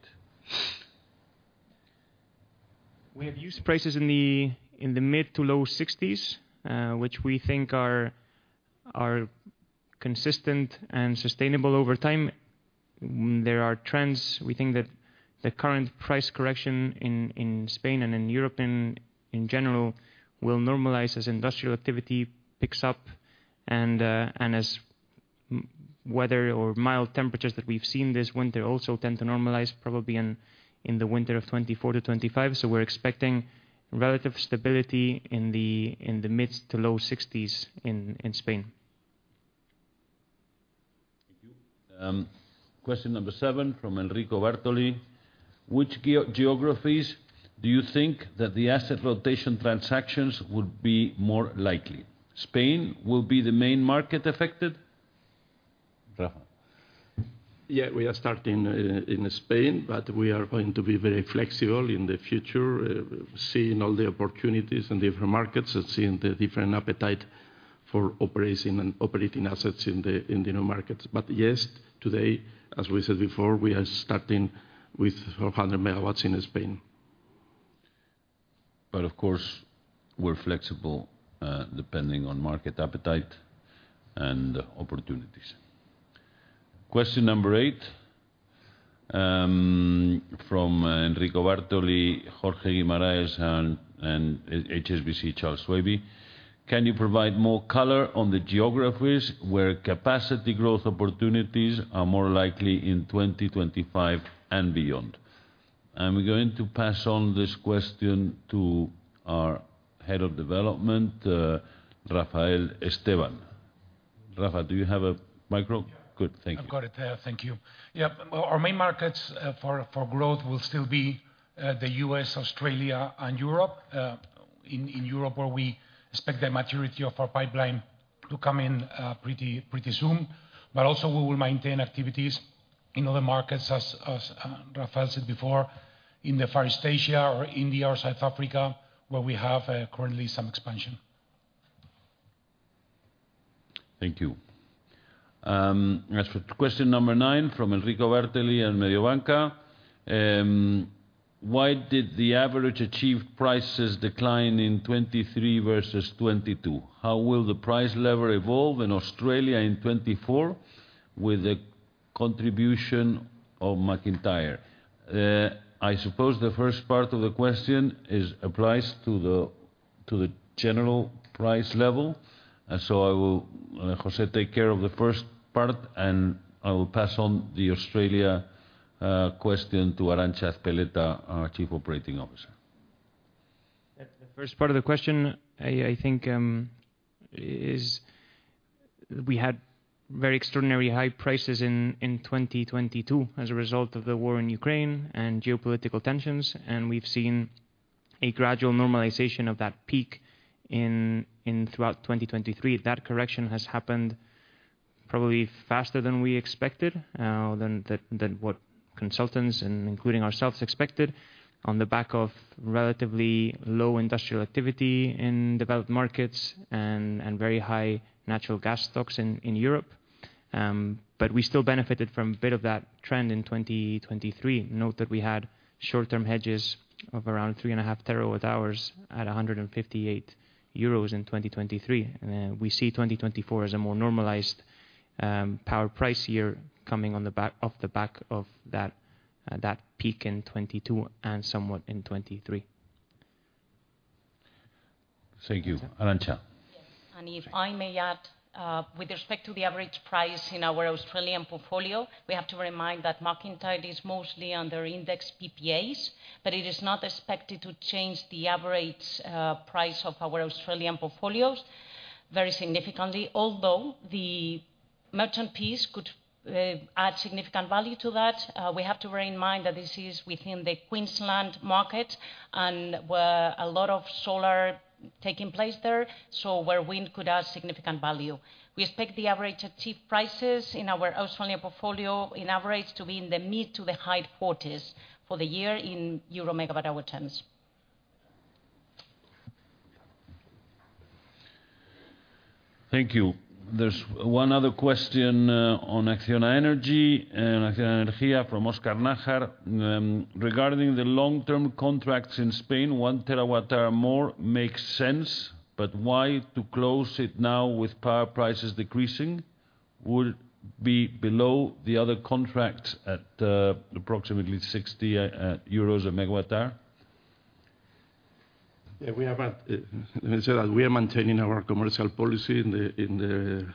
S3: We have used prices in the mid- to low 60s, which we think are consistent and sustainable over time. There are trends. We think that the current price correction in Spain and in Europe in general will normalize as industrial activity picks up and as weather or mild temperatures that we've seen this winter also tend to normalize, probably in the winter of 2024 to 2025. So we're expecting relative stability in the mid to low 60s in Spain.
S1: Thank you. Question number seven from Enrico Bartoli. Which geographies do you think that the asset rotation transactions would be more likely? Spain will be the main market affected? Rafa.
S2: Yeah, we are starting in Spain, but we are going to be very flexible in the future, seeing all the opportunities in different markets and seeing the different appetite for operating assets in the new markets. But yes, today, as we said before, we are starting with 400 MW in Spain.
S1: But, of course, we're flexible depending on market appetite and opportunities. Question number eight from Enrico Bartoli, Jorge Guimarães, and HSBC, Charles Swaby. Can you provide more color on the geographies where capacity growth opportunities are more likely in 2025 and beyond? And we're going to pass on this question to our head of development, Rafael Esteban. Rafa, do you have a micro? Yeah. Good. Thank you.
S6: I've got it there. Thank you. Yeah. Our main markets for growth will still be the US, Australia, and Europe. In Europe, where we expect the maturity of our pipeline to come in pretty soon. But also, we will maintain activities in other markets, as Rafael said before, in the Far East Asia or India or South Africa, where we have currently some expansion.
S1: Thank you. Question number nine from Enrico Bartoli and Mediobanca. Why did the average achieved prices decline in 2023 versus 2022? How will the price level evolve in Australia in 2024 with the contribution of McIntyre? I suppose the first part of the question applies to the general price level. So I will, José, take care of the first part, and I will pass on the Australia question to Arantza Ezpeleta, our Chief Operating Officer.
S3: The first part of the question, I think, is we had very extraordinary high prices in 2022 as a result of the war in Ukraine and geopolitical tensions, and we've seen a gradual normalization of that peak throughout 2023. That correction has happened probably faster than we expected, than what consultants and including ourselves expected, on the back of relatively low industrial activity in developed markets and very high natural gas stocks in Europe. But we still benefited from a bit of that trend in 2023. Note that we had short-term hedges of around 3.5 TWh at 158 euros in 2023. We see 2024 as a more normalized power price year coming off the back of that peak in 2022 and somewhat in 2023.
S1: Thank you. Arantza?
S7: Yes. And if I may add, with respect to the average price in our Australian portfolio, we have to remind that McIntyre is mostly under index PPAs, but it is not expected to change the average price of our Australian portfolios very significantly, although the merchant piece could add significant value to that. We have to bear in mind that this is within the Queensland market, and a lot of solar is taking place there, so where wind could add significant value. We expect the average achieved prices in our Australian portfolio, in average, to be in the mid- to high-40s for the year in EUR/MWh terms.
S1: Thank you. There's one other question on ACCIONA Energía from Óscar Nájar. Regarding the long-term contracts in Spain, 1 TWh more makes sense, but why to close it now with power prices decreasing? Would it be below the other contract at approximately 60 EUR/MWh?
S2: Yeah. Let me say that we are maintaining our commercial policy in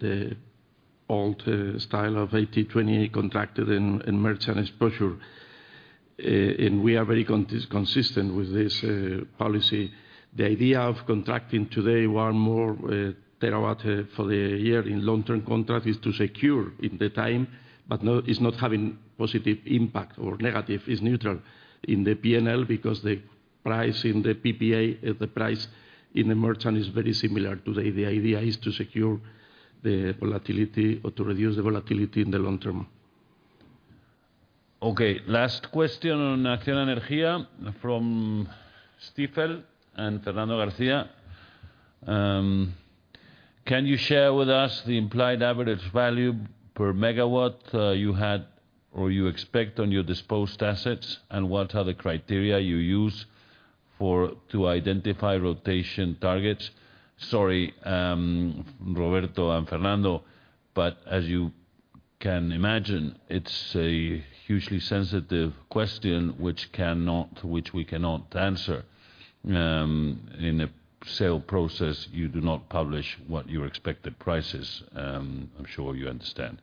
S2: the old style of 80/20 contracted and merchant exposure. And we are very consistent with this policy. The idea of contracting today one more TWh for the year in long-term contract is to secure in the time, but it's not having positive impact or negative. It's neutral in the PNL because the price in the PPA, the price in the merchant, is very similar today. The idea is to secure the volatility or to reduce the volatility in the long term.
S1: Okay. Last question on ACCIONA Energía from Stifel and Fernando García. Can you share with us the implied average value per megawatt you had or you expect on your disposed assets, and what are the criteria you use to identify rotation targets? Sorry, Roberto and Fernando, but as you can imagine, it's a hugely sensitive question which we cannot answer. In a sale process, you do not publish what your expected price is. I'm sure you understand.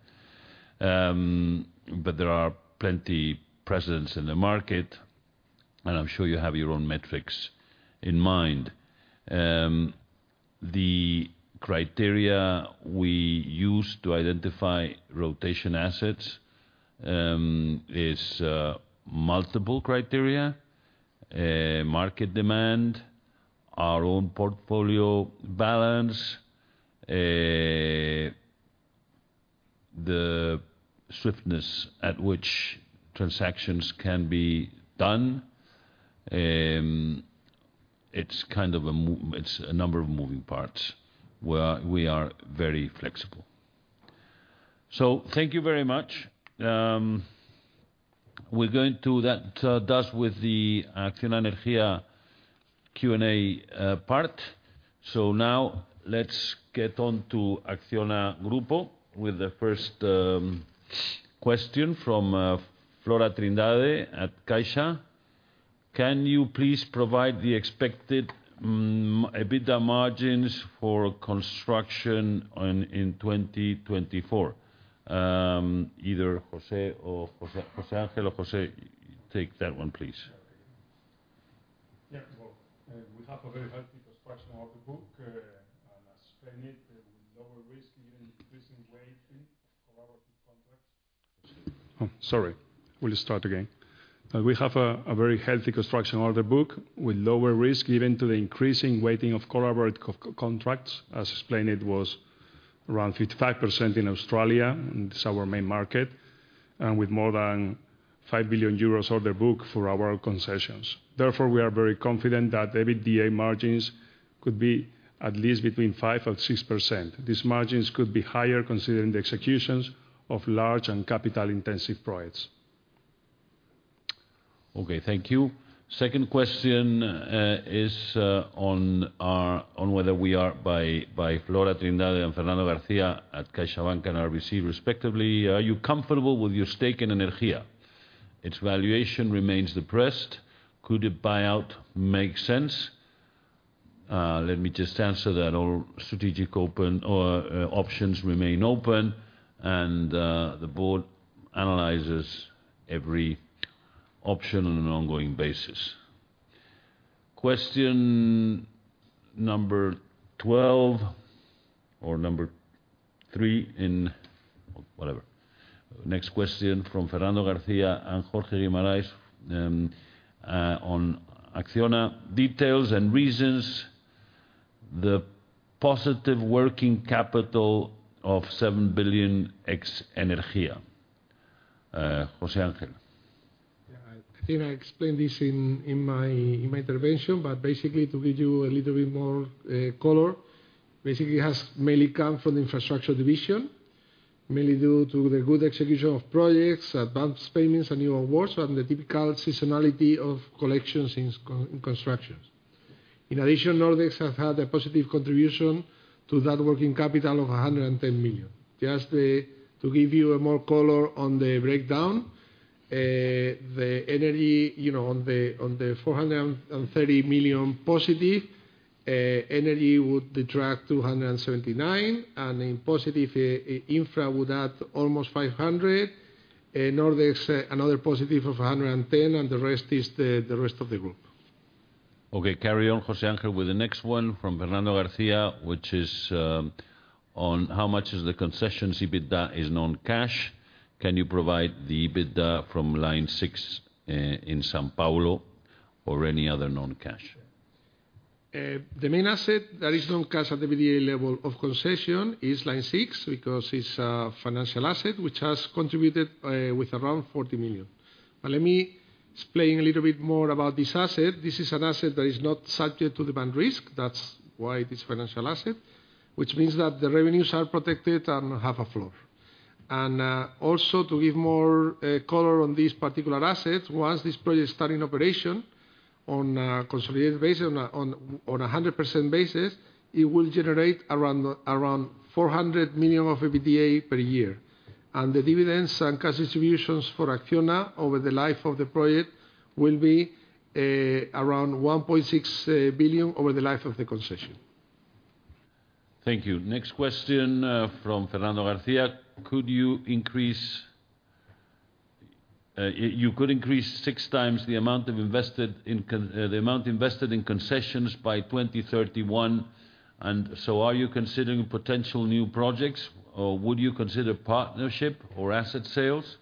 S1: But there are plenty of precedents in the market, and I'm sure you have your own metrics in mind. The criteria we use to identify rotation assets is multiple criteria, market demand, our own portfolio balance, the swiftness at which transactions can be done. It's a number of moving parts. We are very flexible. So thank you very much. That does with the ACCIONA Energía Q&A part. So now let's get on to ACCIONA Group with the first question from Flora Trindade at CaixaBank. Can you please provide the expected EBITDA margins for construction in 2024? Either José Ángel or José, take that one, please.
S4: Yeah. Well, we have a very healthy construction order book, and as explained, with lower risk given increasing weighting of collaborative contracts. José. Oh, sorry. Will you start again? We have a very healthy construction order book with lower risk given to the increasing weighting of collaborative contracts. As explained, it was around 55% in Australia, and it's our main market, and with more than 5 billion euros order book for our concessions. Therefore, we are very confident that EBITDA margins could be at least between 5% and 6%. These margins could be higher considering the executions of large and capital-intensive projects.
S1: Okay. Thank you. Second question is on whether we are by Flora Trindade and Fernando García at CaixaBank and RBC, respectively. Are you comfortable with your stake in Energía? Its valuation remains depressed. Could a buyout make sense? Let me just answer that all strategic options remain open, and the board analyzes every option on an ongoing basis. Question number 12 or number three in whatever. Next question from Fernando García and Jorge Guimarães on Acciona. Details and reasons for the positive working capital of EUR 7 billion ex-Energía. José Ángel. Yeah.
S4: I think I explained this in my intervention, but basically, to give you a little bit more color, basically, it has mainly come from the infrastructure division, mainly due to the good execution of projects, advanced payments, and new awards, and the typical seasonality of collections in constructions. In addition, Nordex has had a positive contribution to that working capital of 110 million. Just to give you more color on the breakdown, the energy on the 430 million positive, energy would detract 279 million, and in positive, infra would add almost 500 million, Nordex another positive of 110 million, and the rest is the rest of the group.
S1: Okay. Carry on, José Ángel, with the next one from Fernando García, which is on how much of the concessions EBITDA is non-cash. Can you provide the EBITDA from Line 6 in São Paulo or any other non-cash?
S4: The main asset that is non-cash at the EBITDA level of concession is Line 6 because it's a financial asset which has contributed with around 40 million. But let me explain a little bit more about this asset. This is an asset that is not subject to demand risk. That's why it is a financial asset, which means that the revenues are protected and have a floor. And also, to give more color on this particular asset, once this project starts in operation on a consolidated basis, on a 100% basis, it will generate around 400 million of EBITDA per year. And the dividends and cash distributions for ACCIONA over the life of the project will be around 1.6 billion over the life of the concession.
S1: Thank you. Next question from Fernando García. Could you increase six times the amount invested in concessions by 2031. And so are you considering potential new projects, or would you consider partnership or asset sales?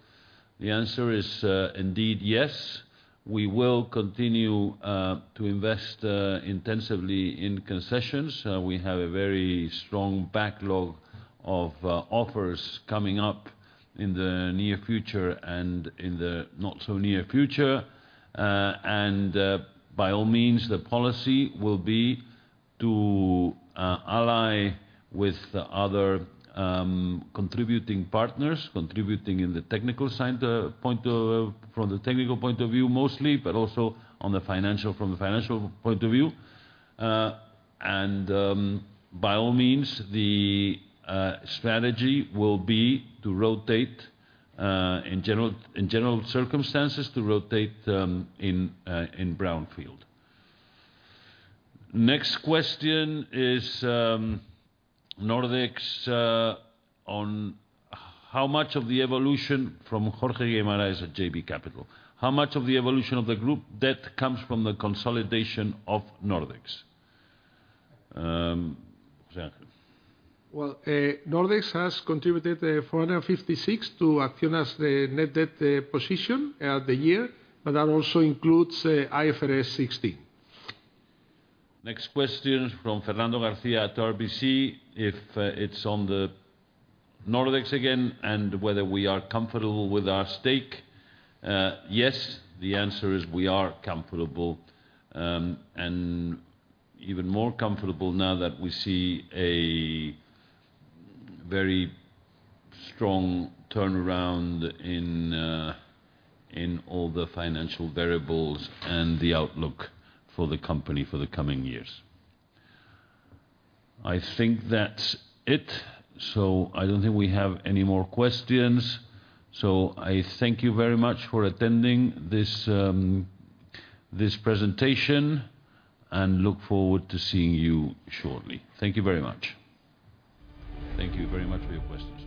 S1: The answer is indeed yes. We will continue to invest intensively in concessions. We have a very strong backlog of offers coming up in the near future and in the not-so-near future. And by all means, the policy will be to ally with other contributing partners, contributing in the technical point of view from the technical point of view mostly, but also from the financial point of view. And by all means, the strategy will be to rotate in general circumstances to rotate in brownfield. Next question is Nordex on how much of the evolution from Jorge Guimarães at JB Capital. How much of the evolution of the group debt comes from the consolidation of Nordex? José Ángel.
S4: Well, Nordex has contributed 456 to ACCIONA's net debt position at the year, but that also includes IFRS 16.
S1: Next question from Fernando García at RBC. If it's on the Nordex again and whether we are comfortable with our stake. Yes. The answer is we are comfortable, and even more comfortable now that we see a very strong turnaround in all the financial variables and the outlook for the company for the coming years. I think that's it. So I don't think we have any more questions. So I thank you very much for attending this presentation and look forward to seeing you shortly. Thank you very much. Thank you very much for your questions.